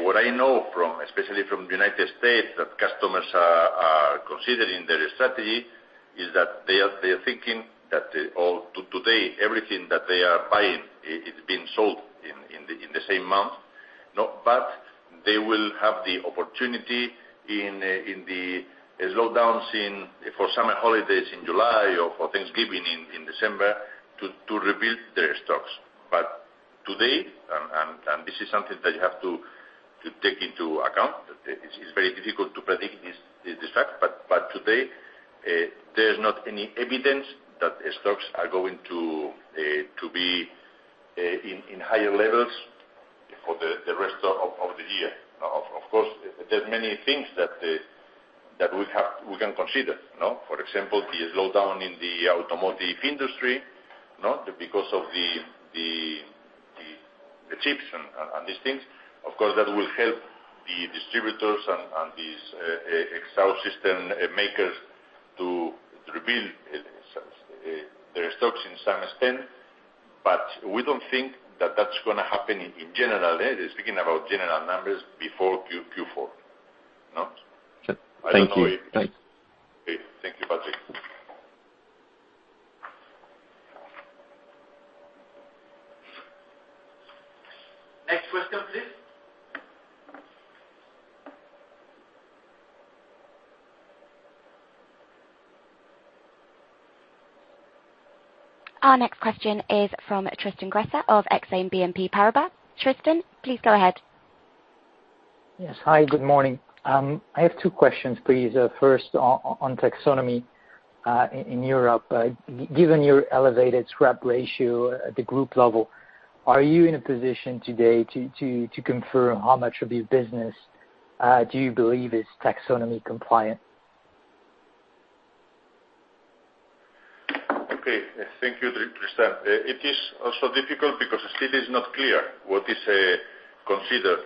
What I know, especially from United States, that customers are considering their strategy, is that they're thinking that today, everything that they are buying is being sold in the same month. They will have the opportunity in the slowdown for summer holidays in July or for Thanksgiving in December to rebuild their stocks. Today, and this is something that you have to take into account, it's very difficult to predict the stock, but today, there's not any evidence that stocks are going to be in higher levels for the rest of the year. Of course, there's many things that we can consider. For example, the slowdown in the automotive industry because of the chips and these things. Of course, that will help the distributors and these exhaust system makers to rebuild their stocks in some extent. We don't think that that's going to happen in general, speaking about general numbers, before Q4.
Thank you.
Okay. Thank you, Patrick. Next question, please.
Our next question is from Tristan Gresser of Exane BNP Paribas. Tristan, please go ahead.
Yes. Hi, good morning. I have two questions, please. First, on Taxonomy in Europe. Given your elevated scrap ratio at the group level, are you in a position today to confer how much of your business do you believe is Taxonomy compliant?
Okay. Thank you, Tristan. It is also difficult because still it is not clear what is considered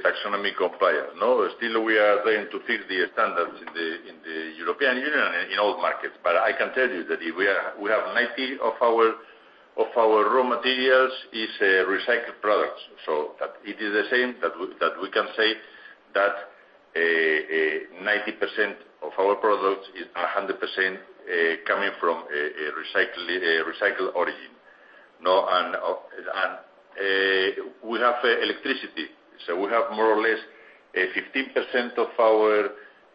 taxonomy compliant. Still we are trying to fix the standards in the European Union and in all markets. I can tell you that we have 90 of our raw materials is recycled products. That it is the same that we can say that 90% of our products is 100% coming from a recycled origin. We have electricity. We have more or less 15% of our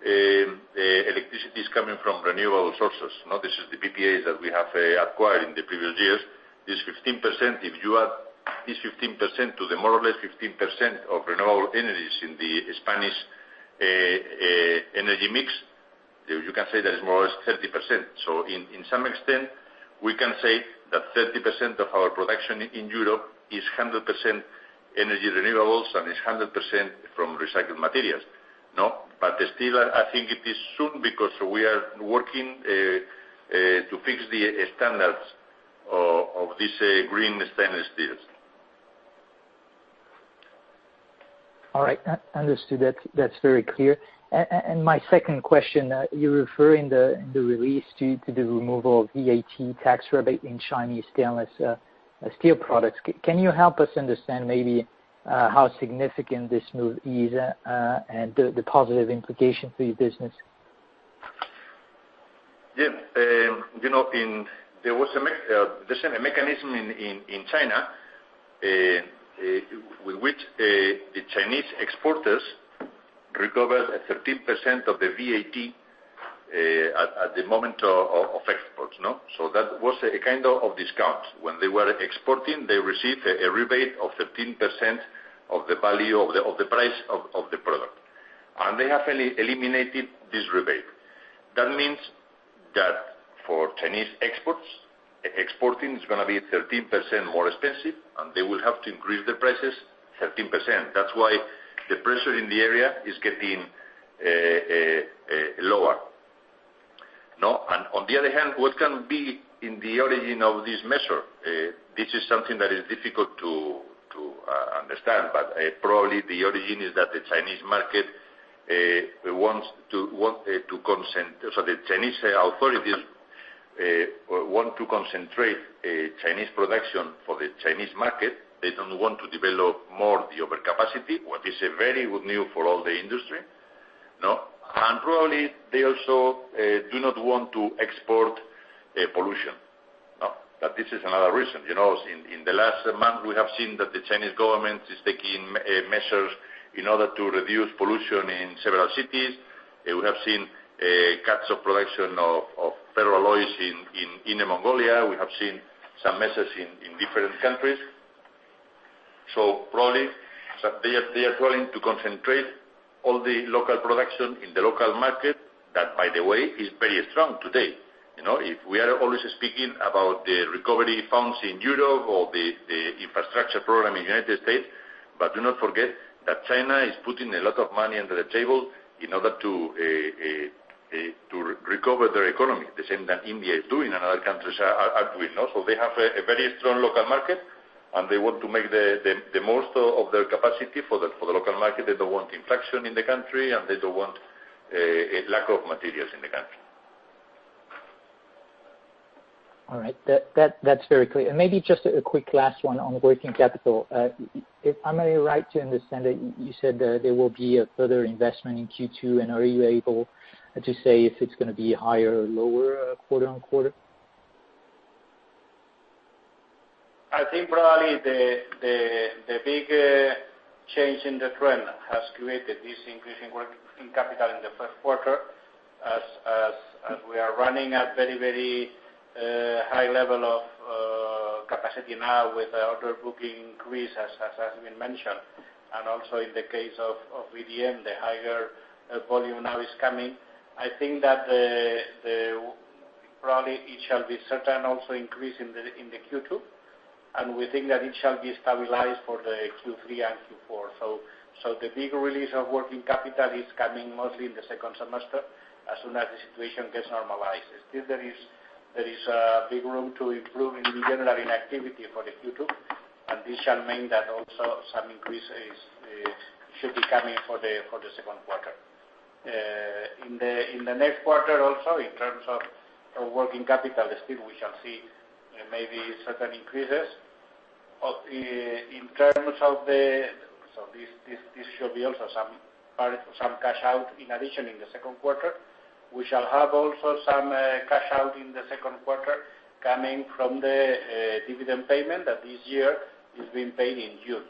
electricity is coming from renewable sources. This is the PPAs that we have acquired in the previous years. If you add this 15% to the more or less 15% of renewable energies in the Spanish energy mix, you can say that is more or less 30%. In some extent, we can say that 30% of our production in Europe is 100% energy renewables and is 100% from recycled materials. Still, I think it is soon because we are working to fix the standards of this green stainless steels.
All right. Understood. That's very clear. My second question, you refer in the release to the removal of VAT rebate in Chinese stainless steel products. Can you help us understand maybe how significant this move is, and the positive implication for your business?
Yes. There was a mechanism in China, with which the Chinese exporters recovered 13% of the VAT at the moment of exports. That was a kind of discount. When they were exporting, they received a rebate of 13% of the price of the product. They have eliminated this rebate. That means that for Chinese exports, exporting is going to be 13% more expensive, and they will have to increase their prices 13%. That's why the pressure in the area is getting lower. On the other hand, what can be in the origin of this measure? This is something that is difficult to understand, but probably the origin is that the Chinese authorities want to concentrate Chinese production for the Chinese market. They don't want to develop more the overcapacity, what is a very good news for all the industry. No. Probably they also do not want to export pollution. This is another reason. In the last month, we have seen that the Chinese government is taking measures in order to reduce pollution in several cities. We have seen cuts of production of ferroalloys in Inner Mongolia. We have seen some measures in different countries. Probably, they are going to concentrate all the local production in the local market. That, by the way, is very strong today. If we are always speaking about the recovery funds in Europe or the infrastructure program in the United States, do not forget that China is putting a lot of money under the table in order to recover their economy, the same that India is doing and other countries are doing also. They have a very strong local market, and they want to make the most of their capacity for the local market. They don't want inflation in the country, and they don't want a lack of materials in the country.
All right. That's very clear. Maybe just a quick last one on working capital. Am I right to understand that you said there will be a further investment in Q2, and are you able to say if it's going to be higher or lower quarter on quarter?
I think probably the big change in the trend has created this increase in working capital in the first quarter as we are running at very high level of capacity now with the order booking increase, as has been mentioned. Also in the case of VDM, the higher volume now is coming. I think that probably it shall be certain also increase in the Q2, and we think that it shall be stabilized for the Q3 and Q4. The big release of working capital is coming mostly in the second semester as soon as the situation gets normalized. Still there is a big room to improve in general in activity for the Q2, and this shall mean that also some increase should be coming for the second quarter. In the next quarter also, in terms of working capital, still we shall see maybe certain increases.
This should be also some part of some cash out in addition in the second quarter. We shall have also some cash out in the second quarter coming from the dividend payment that this year is being paid in June.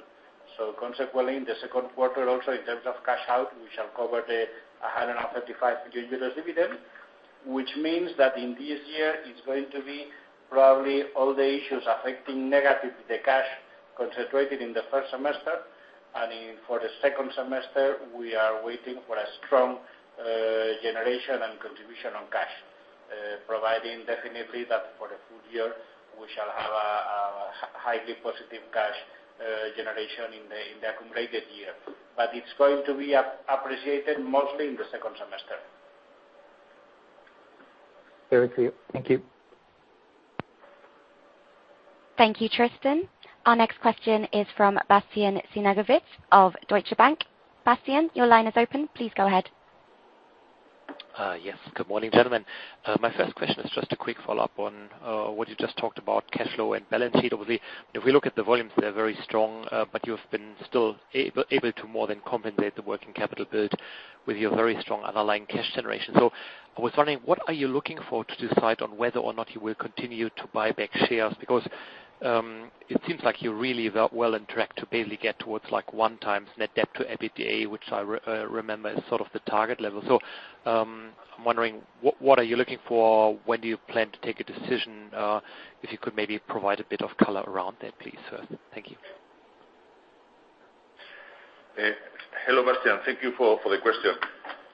Consequently, in the second quarter also in terms of cash out, we shall cover the 135 million euros dividend, which means that in this year, it's going to be probably all the issues affecting negative the cash concentrated in the first semester. For the second semester, we are waiting for a strong generation and contribution on cash, providing definitely that for the full year, we shall have a highly positive cash generation in the accumulated year. It's going to be appreciated mostly in the second semester.
Very clear. Thank you.
Thank you, Tristan. Our next question is from Bastian Synagowitz of Deutsche Bank. Bastian, your line is open. Please go ahead.
Yes. Good morning, gentlemen. My first question is just a quick follow-up on what you just talked about, cash flow and balance sheet. Obviously, if we look at the volumes, they're very strong, but you've been still able to more than compensate the working capital build with your very strong underlying cash generation. I was wondering, what are you looking for to decide on whether or not you will continue to buy back shares? It seems like you're really well on track to basically get towards one times net debt to EBITDA, which I remember is sort of the target level. I'm wondering, what are you looking for? When do you plan to take a decision? If you could maybe provide a bit of color around that, please, sir. Thank you.
Hello, Bastian. Thank you for the question.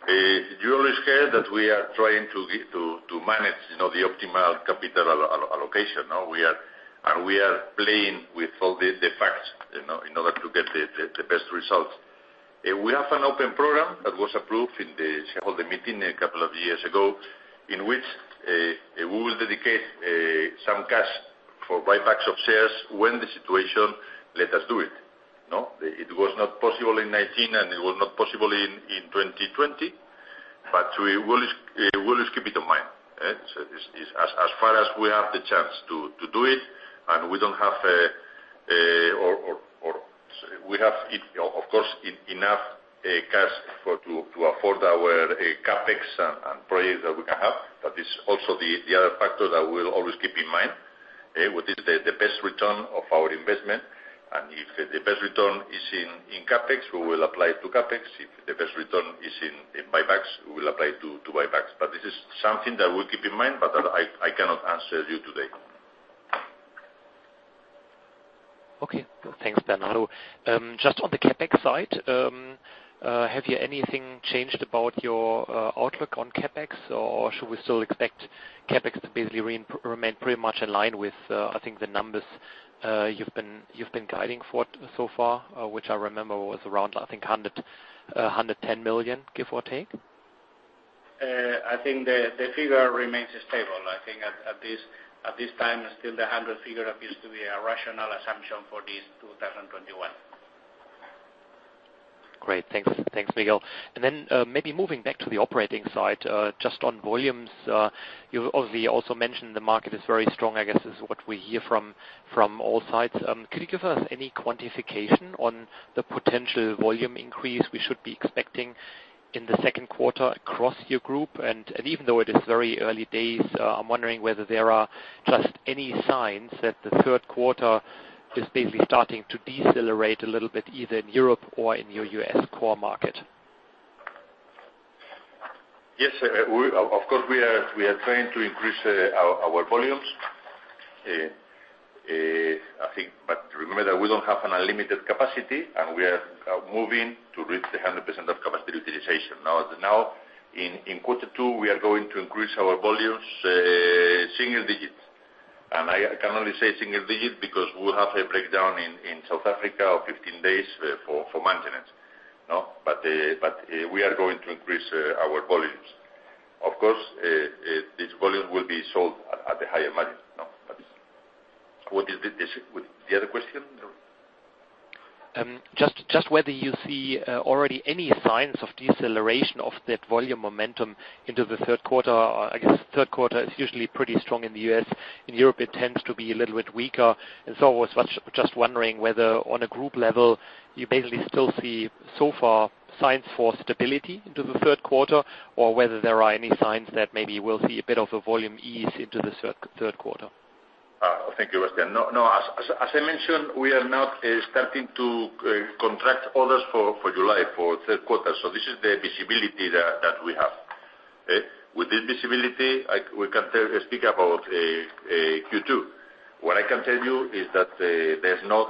You always hear that we are trying to manage the optimal capital allocation. We are playing with all the facts in order to get the best results. We have an open program that was approved in the shareholder meeting a couple of years ago, in which we will dedicate some cash for buybacks of shares when the situation let us do it. It was not possible in 2019, and it was not possible in 2020, but we will always keep it in mind. As far as we have the chance to do it, and we have, of course, enough cash to afford our CapEx and projects that we can have, that is also the other factor that we'll always keep in mind. What is the best return of our investment? If the best return is in CapEx, we will apply to CapEx. If the best return is in buybacks, we will apply to buybacks. This is something that we'll keep in mind, but that I cannot answer you today.
Okay. Thanks, Bernardo. Just on the CapEx side, have you anything changed about your outlook on CapEx, or should we still expect CapEx to basically remain pretty much in line with, I think, the numbers you've been guiding for so far, which I remember was around, I think, 110 million, give or take?
I think the figure remains stable. I think at this time, still the 100 figure appears to be a rational assumption for this 2021.
Great. Thanks, Miguel. Maybe moving back to the operating side, just on volumes, you obviously also mentioned the market is very strong, I guess is what we hear from all sides. Could you give us any quantification on the potential volume increase we should be expecting in the second quarter across your group, and even though it is very early days, I'm wondering whether there are just any signs that the third quarter is basically starting to decelerate a little bit, either in Europe or in your U.S. core market?
Yes. Of course, we are trying to increase our volumes. Remember that we don't have unlimited capacity, and we are moving to reach the 100% of capacity utilization. In quarter two, we are going to increase our volumes single digits. I can only say single digit because we'll have a breakdown in South Africa of 15 days for maintenance. We are going to increase our volumes. Of course, this volume will be sold at the higher margin. What is the other question?
Just whether you see already any signs of deceleration of that volume momentum into the third quarter. I guess third quarter is usually pretty strong in the U.S. In Europe, it tends to be a little bit weaker. I was just wondering whether on a group level, you basically still see so far signs for stability into the third quarter or whether there are any signs that maybe we'll see a bit of a volume ease into the third quarter.
Thank you, Bastian. As I mentioned, we are now starting to contract orders for July, for third quarter. This is the visibility that we have. With this visibility, we can speak about Q2. What I can tell you is that there's no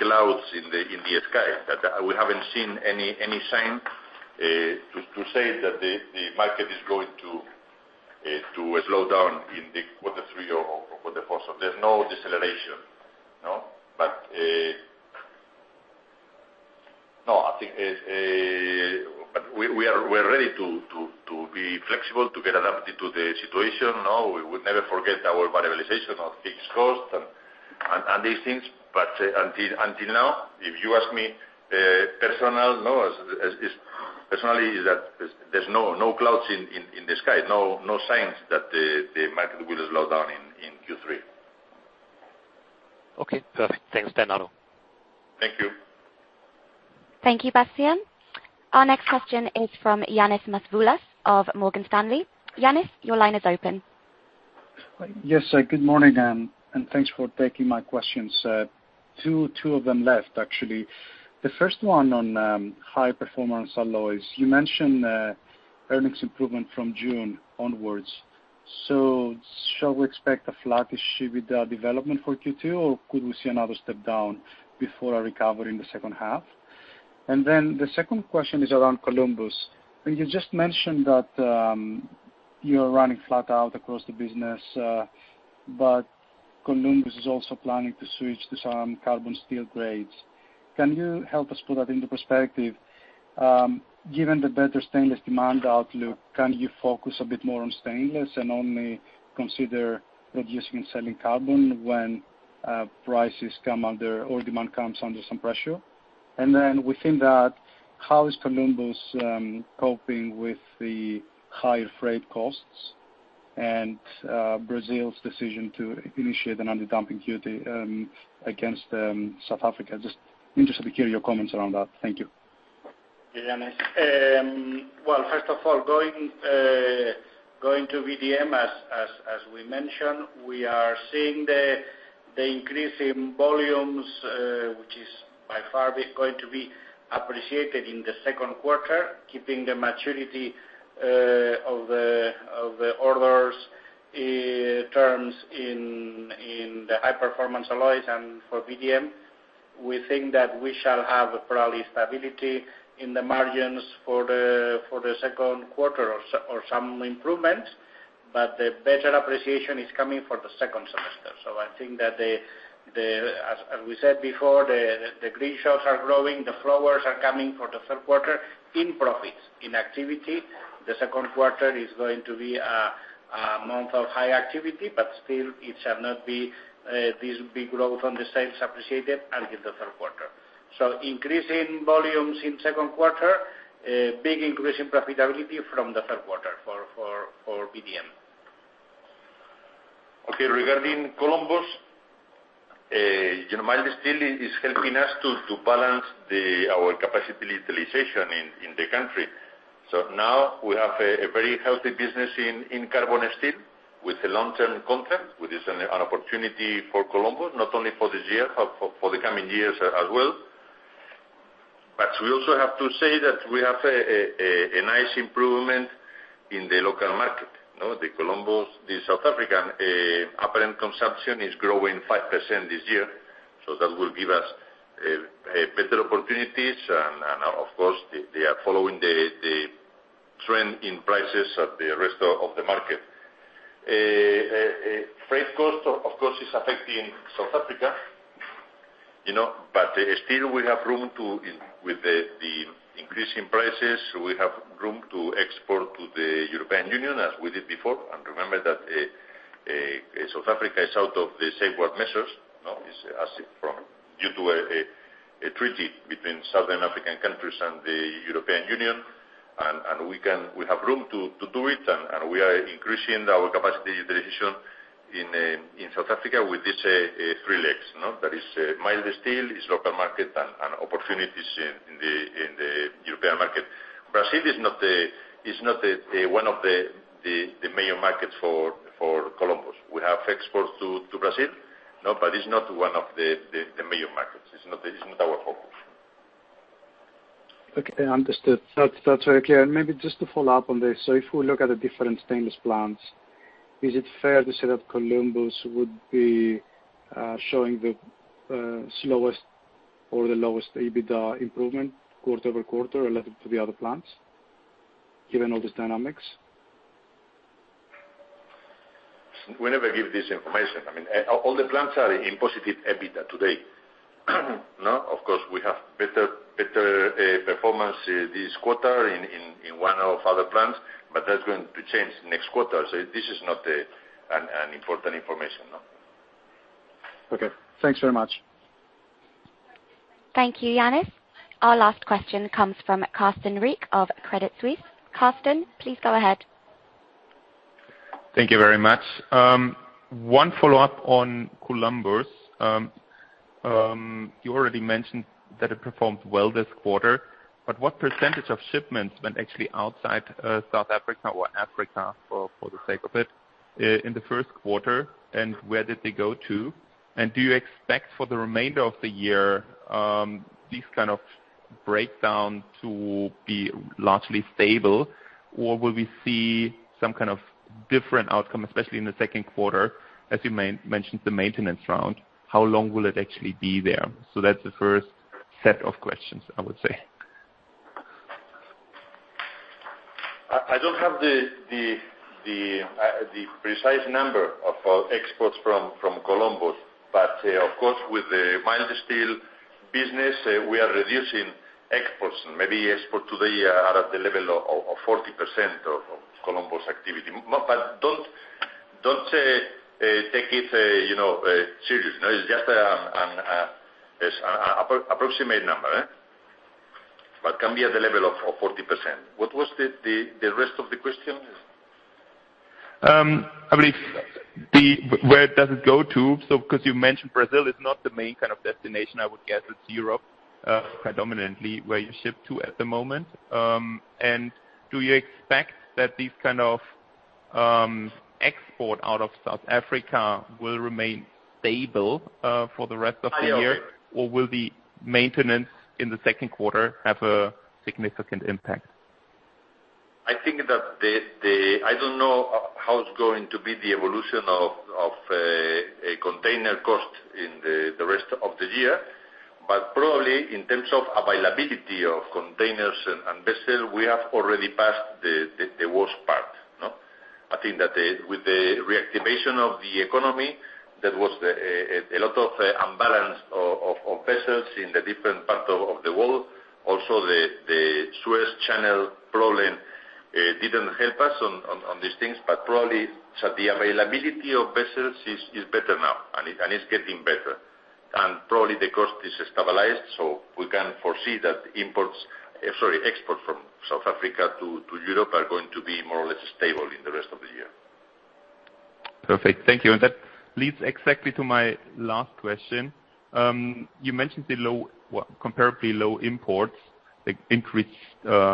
clouds in the sky. We haven't seen any sign to say that the market is going to slow down in the quarter three or quarter four. There's no deceleration. We are ready to be flexible to get adapted to the situation. We would never forget our variabilization of fixed cost and these things. Until now, if you ask me personally, is that there's no clouds in the sky. No signs that the market will slow down in Q3.
Okay, perfect. Thanks, Bernardo.
Thank you.
Thank you, Bastian. Our next question is from Ioannis Masvoulas of Morgan Stanley. Ioannis, your line is open.
Good morning, thanks for taking my questions. Two of them left, actually. The first one on High Performance Alloys. You mentioned earnings improvement from June onwards. Shall we expect a flat-ish VDM development for Q2, or could we see another step down before a recovery in the second half? The second question is around Columbus. You just mentioned that you're running flat out across the business, but Columbus is also planning to switch to some carbon steel grades. Can you help us put that into perspective? Given the better stainless demand outlook, can you focus a bit more on stainless and only consider reducing and selling carbon when prices or demand comes under some pressure? Within that, how is Columbus coping with the higher freight costs and Brazil's decision to initiate an anti-dumping duty against South Africa? Just interested to hear your comments around that. Thank you.
Yeah, Ioannis. Well, first of all, going to VDM, as we mentioned, we are seeing the increase in volumes, which is by far going to be appreciated in the second quarter, keeping the maturity of the orders terms in the High Performance Alloys and for VDM. We think that we shall have probably stability in the margins for the second quarter or some improvement, but the better appreciation is coming for the second semester. I think that as we said before, the green shoots are growing, the flowers are coming for the third quarter in profits, in activity. The second quarter is going to be a month of high activity, but still it shall not be this big growth on the sales appreciated until the third quarter. Increase in volumes in second quarter, big increase in profitability from the third quarter for VDM. Okay. Regarding Columbus, mild steel is helping us to balance our capacity utilization in the country. Now we have a very healthy business in carbon steel with a long-term contract, which is an opportunity for Columbus, not only for this year, for the coming years as well. We also have to say that we have a nice improvement in the local market. The South African apparent consumption is growing 5% this year, that will give us better opportunities, and, of course, they are following the trend in prices of the rest of the market. Freight cost, of course, is affecting South Africa. Still with the increase in prices, we have room to export to the European Union as we did before. Remember that South Africa is out of the safeguard measures, as it from due to a treaty between Southern African countries and the European Union. We have room to do it, and we are increasing our capacity utilization in South Africa with this three legs. That is mild steel, is local market, and opportunities in the European market. Brazil is not one of the major markets for Columbus. We have exports to Brazil, but it's not one of the major markets. It's not our focus.
Okay, understood. That's very clear. Maybe just to follow up on this, if we look at the different stainless plants, is it fair to say that Columbus would be showing the slowest or the lowest EBITDA improvement quarter-over-quarter relative to the other plants, given all these dynamics?
We never give this information. All the plants are in positive EBITDA today. Of course, we have better performance this quarter in one of other plants, but that's going to change next quarter. This is not an important information.
Okay. Thanks very much.
Thank you, Ioannis. Our last question comes from Carsten Riek of Credit Suisse. Carsten, please go ahead.
Thank you very much. One follow-up on Columbus. You already mentioned that it performed well this quarter, but what % of shipments went actually outside South Africa or Africa, for the sake of it, in the first quarter, and where did they go to? Do you expect for the remainder of the year, this kind of breakdown to be largely stable, or will we see some kind of different outcome, especially in the second quarter, as you mentioned, the maintenance round? How long will it actually be there? That's the first set of questions, I would say.
I don't have the precise number of exports from Columbus, but of course, with the mild steel business, we are reducing exports. Maybe export today are at the level of 40% of Columbus activity. Don't take it serious. It's just an approximate number. Can be at the level of 40%. What was the rest of the question?
Where does it go to? Because you mentioned Brazil is not the main kind of destination, I would guess it's Europe, predominantly, where you ship to at the moment. Do you expect that this kind of export out of South Africa will remain stable for the rest of the year?
I don't-
Will the maintenance in the second quarter have a significant impact?
I don't know how it's going to be the evolution of a container cost in the rest of the year, but probably in terms of availability of containers and vessels, we have already passed the worst part. The Suez Canal problem didn't help us on these things. Probably, the availability of vessels is better now, and it's getting better. Probably the cost is stabilized. We can foresee that imports, sorry, exports from South Africa to Europe are going to be more or less stable in the rest of the year.
Perfect. Thank you. That leads exactly to my last question. You mentioned the comparably low imports, increased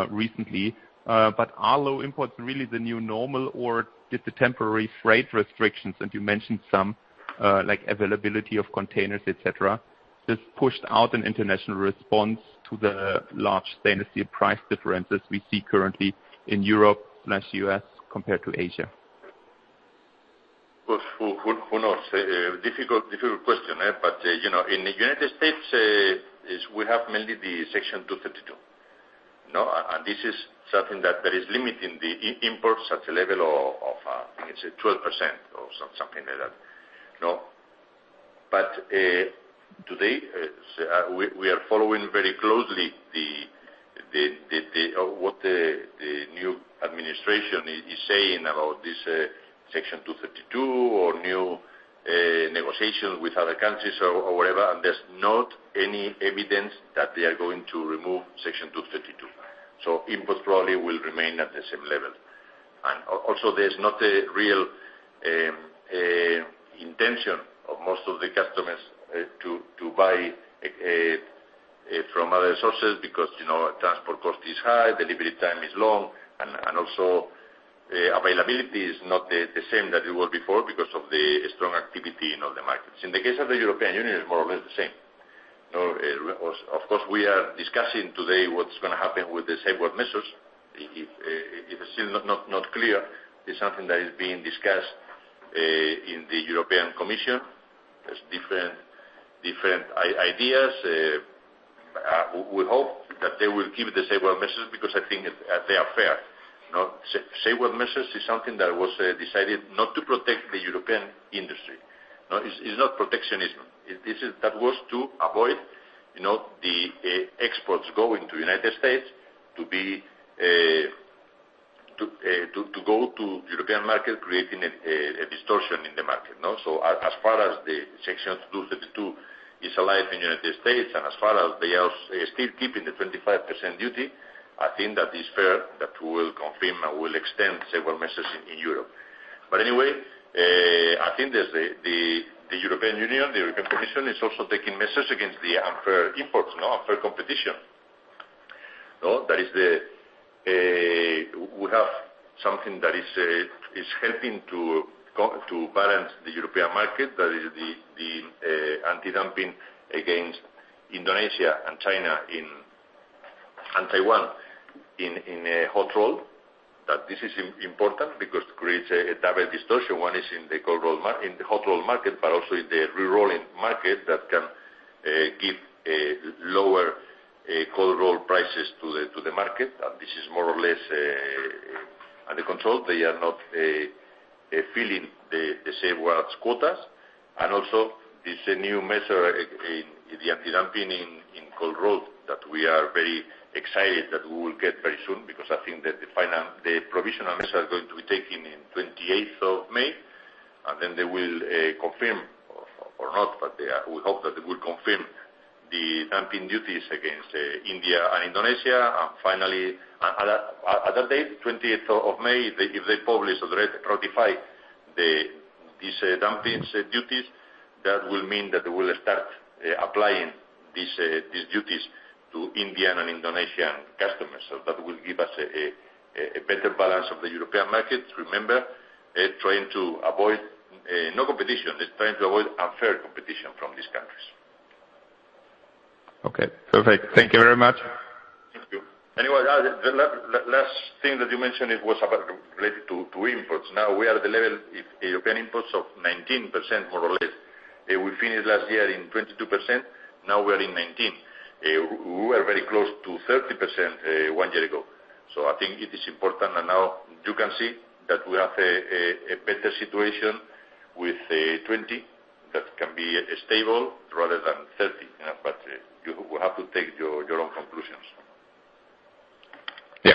recently. Are low imports really the new normal or just the temporary freight restrictions, and you mentioned some, like availability of containers, et cetera, this pushed out an international response to the large stainless steel price differences we see currently in Europe plus U.S. compared to Asia?
Who knows? Difficult question. In the U.S., we have mainly the Section 232. This is something that there is limit in the imports at a level of, I think it's 12% or something like that. Today, we are following very closely what the new administration is saying about this Section 232 or new negotiation with other countries or whatever. There's not any evidence that they are going to remove Section 232. Imports probably will remain at the same level. Also, there's not a real intention of most of the customers to buy from other sources because transport cost is high, delivery time is long, and also availability is not the same that it was before because of the strong activity in all the markets. In the case of the European Union, it's more or less the same. Of course, we are discussing today what's going to happen with the safeguard measures. It is still not clear. It's something that is being discussed in the European Commission. There are different ideas. We hope that they will keep the safeguard measures because I think they are fair. Safeguard measures is something that was decided not to protect the European industry. It's not protectionism. That was to avoid the exports going to the U.S. to go to European market, creating a distortion in the market. As far as the Section 232, it's alive in the U.S., and as far as they are still keeping the 25% duty, I think that is fair that we will confirm and we'll extend several measures in Europe. Anyway, I think the European Union, the European Commission, is also taking measures against the unfair imports, unfair competition. We have something that is helping to balance the European market, that is the anti-dumping against Indonesia and China and Taiwan in hot rolled. This is important because it creates a double distortion. One is in the hot rolled market, but also in the re-rolling market that can give lower cold rolled prices to the market. This is more or less under control. They are not filling the same world quotas. Also, it's a new measure in the anti-dumping in cold rolled that we are very excited that we will get very soon, because I think that the provisional measures are going to be taken in 28th of May, and then they will confirm or not, but we hope that they will confirm the dumping duties against India and Indonesia. Finally, at that date, 20th of May, if they publish or ratify these dumping duties, that will mean that they will start applying these duties to Indian and Indonesian customers. That will give us a better balance of the European market. Remember, it's trying to avoid unfair competition from these countries.
Okay, perfect. Thank you very much.
Thank you. The last thing that you mentioned, it was related to imports. We are at the level, European imports of 19%, more or less. We finished last year in 22%; now we are in 19%. We were very close to 30% one year ago. I think it is important, you can see that we have a better situation with 20% that can be stable rather than 30%. You have to take your own conclusions.
Yeah.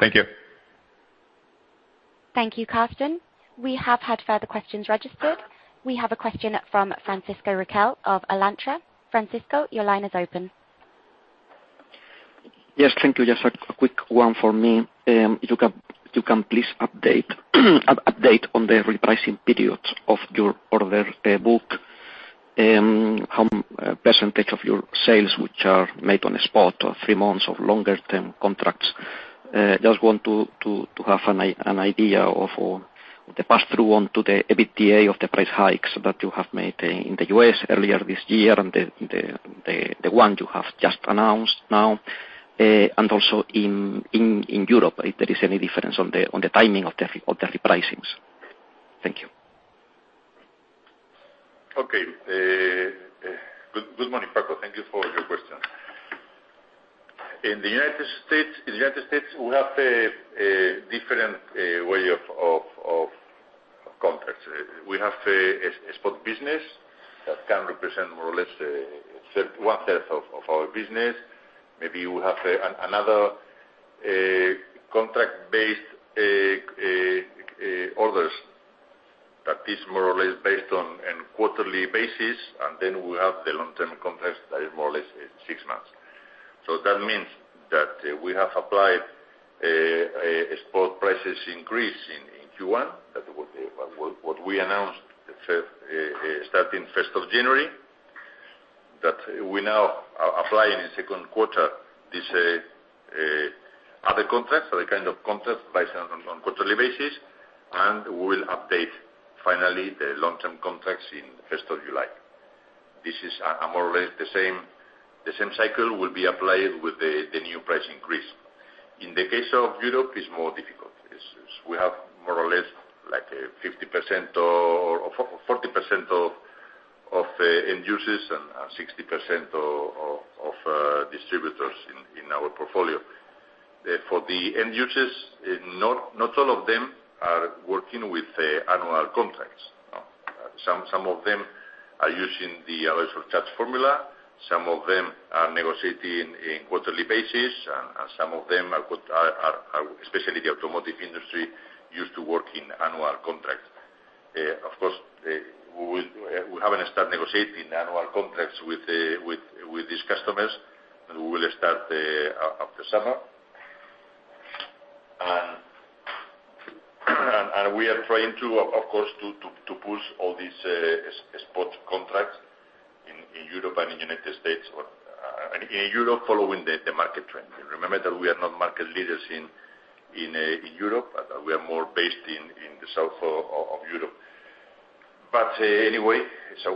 Thank you.
Thank you, Carsten. We have had further questions registered. We have a question from Francisco Riquel of Alantra. Francisco, your line is open.
Yes, thank you. Just a quick one from me. If you can please update on the repricing periods of your order book, percentage of your sales which are made on the spot or three months of longer-term contracts. Just want to have an idea of the pass-through on to the EBITDA of the price hikes that you have made in the U.S. earlier this year and the one you have just announced now, and also in Europe, if there is any difference on the timing of the repricings. Thank you.
Okay. Good morning, Paco. Thank you for your question. In the U.S., we have a different way of contracts. We have a spot business that can represent more or less one-third of our business. Maybe we have another contract-based orders that is more or less based on a quarterly basis. Then we have the long-term contracts that is more or less six months. That means that we have applied a spot prices increase in Q1, what we announced starting first of January, that we now are applying in second quarter this other contracts, other kind of contracts based on quarterly basis. We will update finally the long-term contracts in first of July. More or less the same cycle will be applied with the new price increase. In the case of Europe, it's more difficult. We have more or less 40% of end users and 60% of distributors in our portfolio. For the end users, not all of them are working with annual contracts. Some of them are using the alloy surcharge formula, some of them are negotiating in quarterly basis, and some of them, especially the automotive industry, used to work in annual contracts. Of course, we haven't start negotiating annual contracts with these customers. We will start after summer. We are trying to, of course, to push all these spot contracts in Europe and in the U.S. In Europe, following the market trend. Remember that we are not market leaders in Europe, we are more based in the south of Europe. Anyway,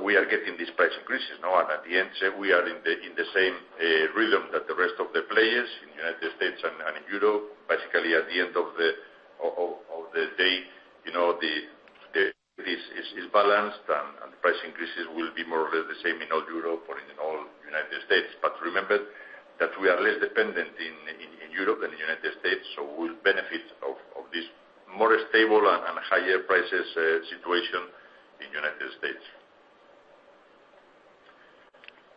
we are getting these price increases. At the end, we are in the same rhythm that the rest of the players in the U.S. and in Europe. Basically, at the end of the day, it is balanced. The price increases will be more or less the same in all Europe or in all United States. Remember that we are less dependent in Europe than in the United States. We will benefit of this more stable and higher prices situation in United States.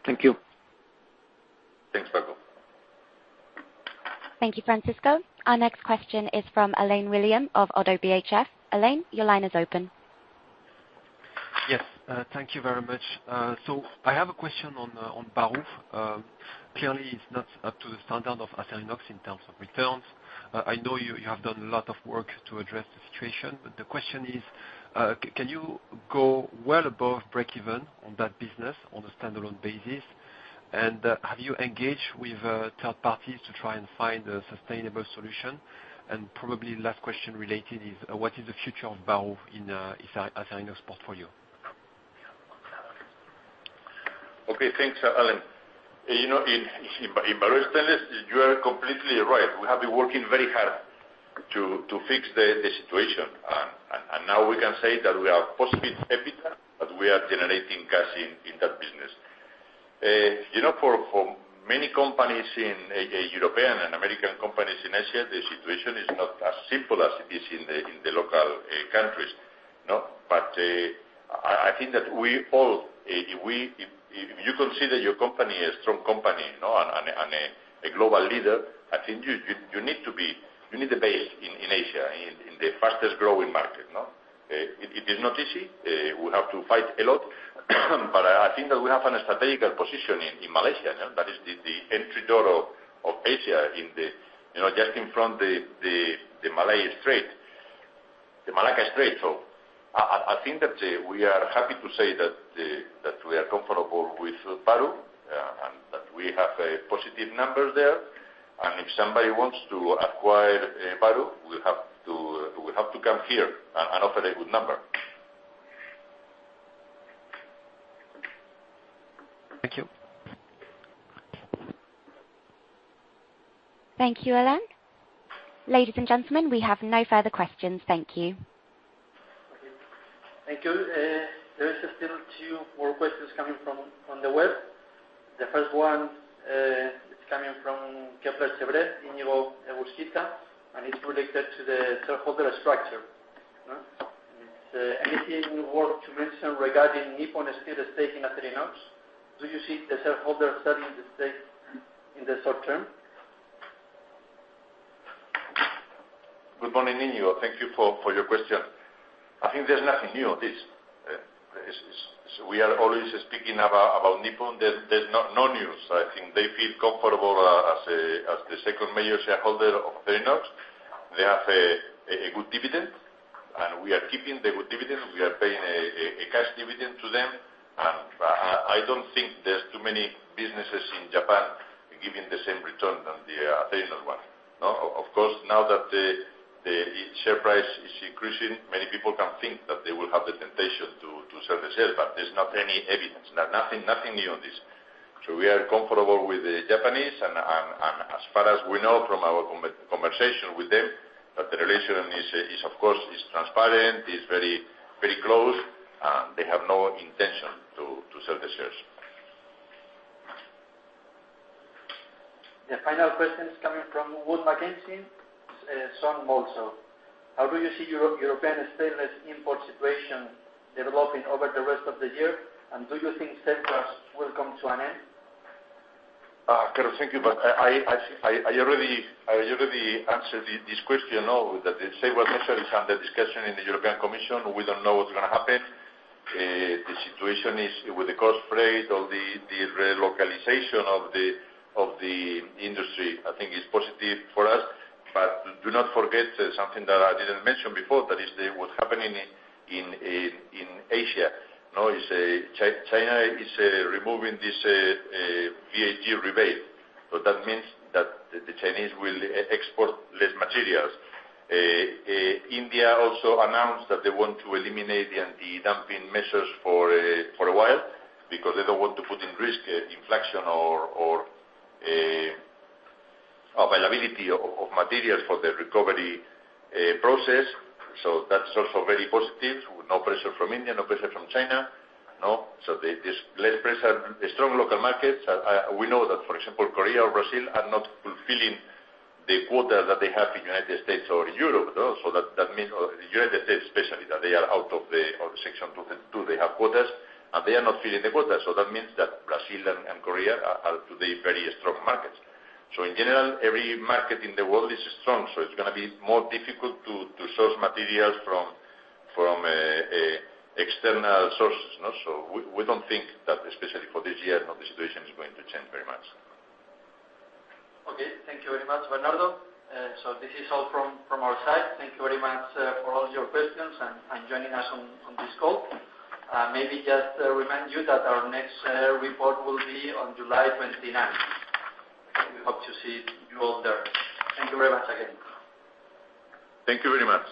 Thank you.
Thank you, Francisco. Our next question is from Alain William of Oddo BHF. Alain, your line is open.
Yes. Thank you very much. I have a question on Bahru. Clearly, it's not up to the standard of Acerinox in terms of returns. I know you have done a lot of work to address the situation, but the question is, can you go well above breakeven on that business on a standalone basis? Have you engaged with third parties to try and find a sustainable solution? Probably last question related is, what is the future of Bahru in Acerinox portfolio?
Okay. Thanks, Alain. In Bahru Stainless, you are completely right. We have been working very hard to fix the situation, and now we can say that we are positive EBITDA, that we are generating cash in that business. For many companies, European and American companies in Asia, the situation is not as simple as it is in the local countries. I think that if you consider your company a strong company and a global leader, I think you need a base in Asia, in the fastest-growing market. It is not easy. We have to fight a lot. I think that we have a strategic position in Malaysia, and that is the entry door of Asia, just in front the Malacca Strait. I think that we are happy to say that we are comfortable with Bahru, and that we have a positive number there. If somebody wants to acquire Bahru, they will have to come here and offer a good number.
Thank you.
Thank you, Alain. Ladies and gentlemen, we have no further questions. Thank you.
Thank you. There are still two more questions coming from the web. The first one, it's coming from Kepler Cheuvreux, Iñigo Urquiza, it's related to the shareholder structure. Anything you want to mention regarding Nippon Steel stake in Acerinox? Do you see the shareholder selling the stake in the short term?
Good morning, Iñigo. Thank you for your question. I think there's nothing new on this. We are always speaking about Nippon. There's no news. I think they feel comfortable as the second major shareholder of Acerinox. They have a good dividend. We are keeping the good dividend. We are paying a cash dividend to them. I don't think there's too many businesses in Japan giving the same return on the Acerinox one. Of course, now that the share price is increasing, many people can think that they will have the temptation to sell the shares, but there's not any evidence. Nothing new on this. We are comfortable with the Japanese, and as far as we know from our conversation with them, that the relation is, of course, is transparent, is very close, and they have no intention to sell the shares.
The final question is coming from Wood Mackenzie, Sean Mulshaw. How do you see European stainless import situation developing over the rest of the year? Do you think safeguards will come to an end?
Sean, thank you. I already answered this question. The safeguard measure is under discussion in the European Commission. We don't know what's going to happen. The situation with the cost rate or the relocalization of the industry, I think is positive for us. Do not forget something that I didn't mention before, that is what happening in Asia. China is removing this VAT rebate. That means that the Chinese will export less materials. India also announced that they want to eliminate the anti-dumping measures for a while because they don't want to put in risk inflation or availability of materials for the recovery process. That's also very positive. No pressure from India, no pressure from China. There's less pressure. Strong local markets. We know that, for example, Korea or Brazil are not fulfilling the quota that they have in the U.S. or in Europe, though. That means, the U.S. especially, that they are out of the Section 232. They have quotas, and they are not filling the quota. That means that Brazil and Korea are today very strong markets. In general, every market in the world is strong, so it's going to be more difficult to source materials from external sources. We don't think that, especially for this year, the situation is going to change very much.
Okay. Thank you very much, Bernardo. This is all from our side. Thank you very much for all your questions and joining us on this call. Maybe just remind you that our next report will be on July 29th. We hope to see you all there. Thank you very much again.
Thank you very much.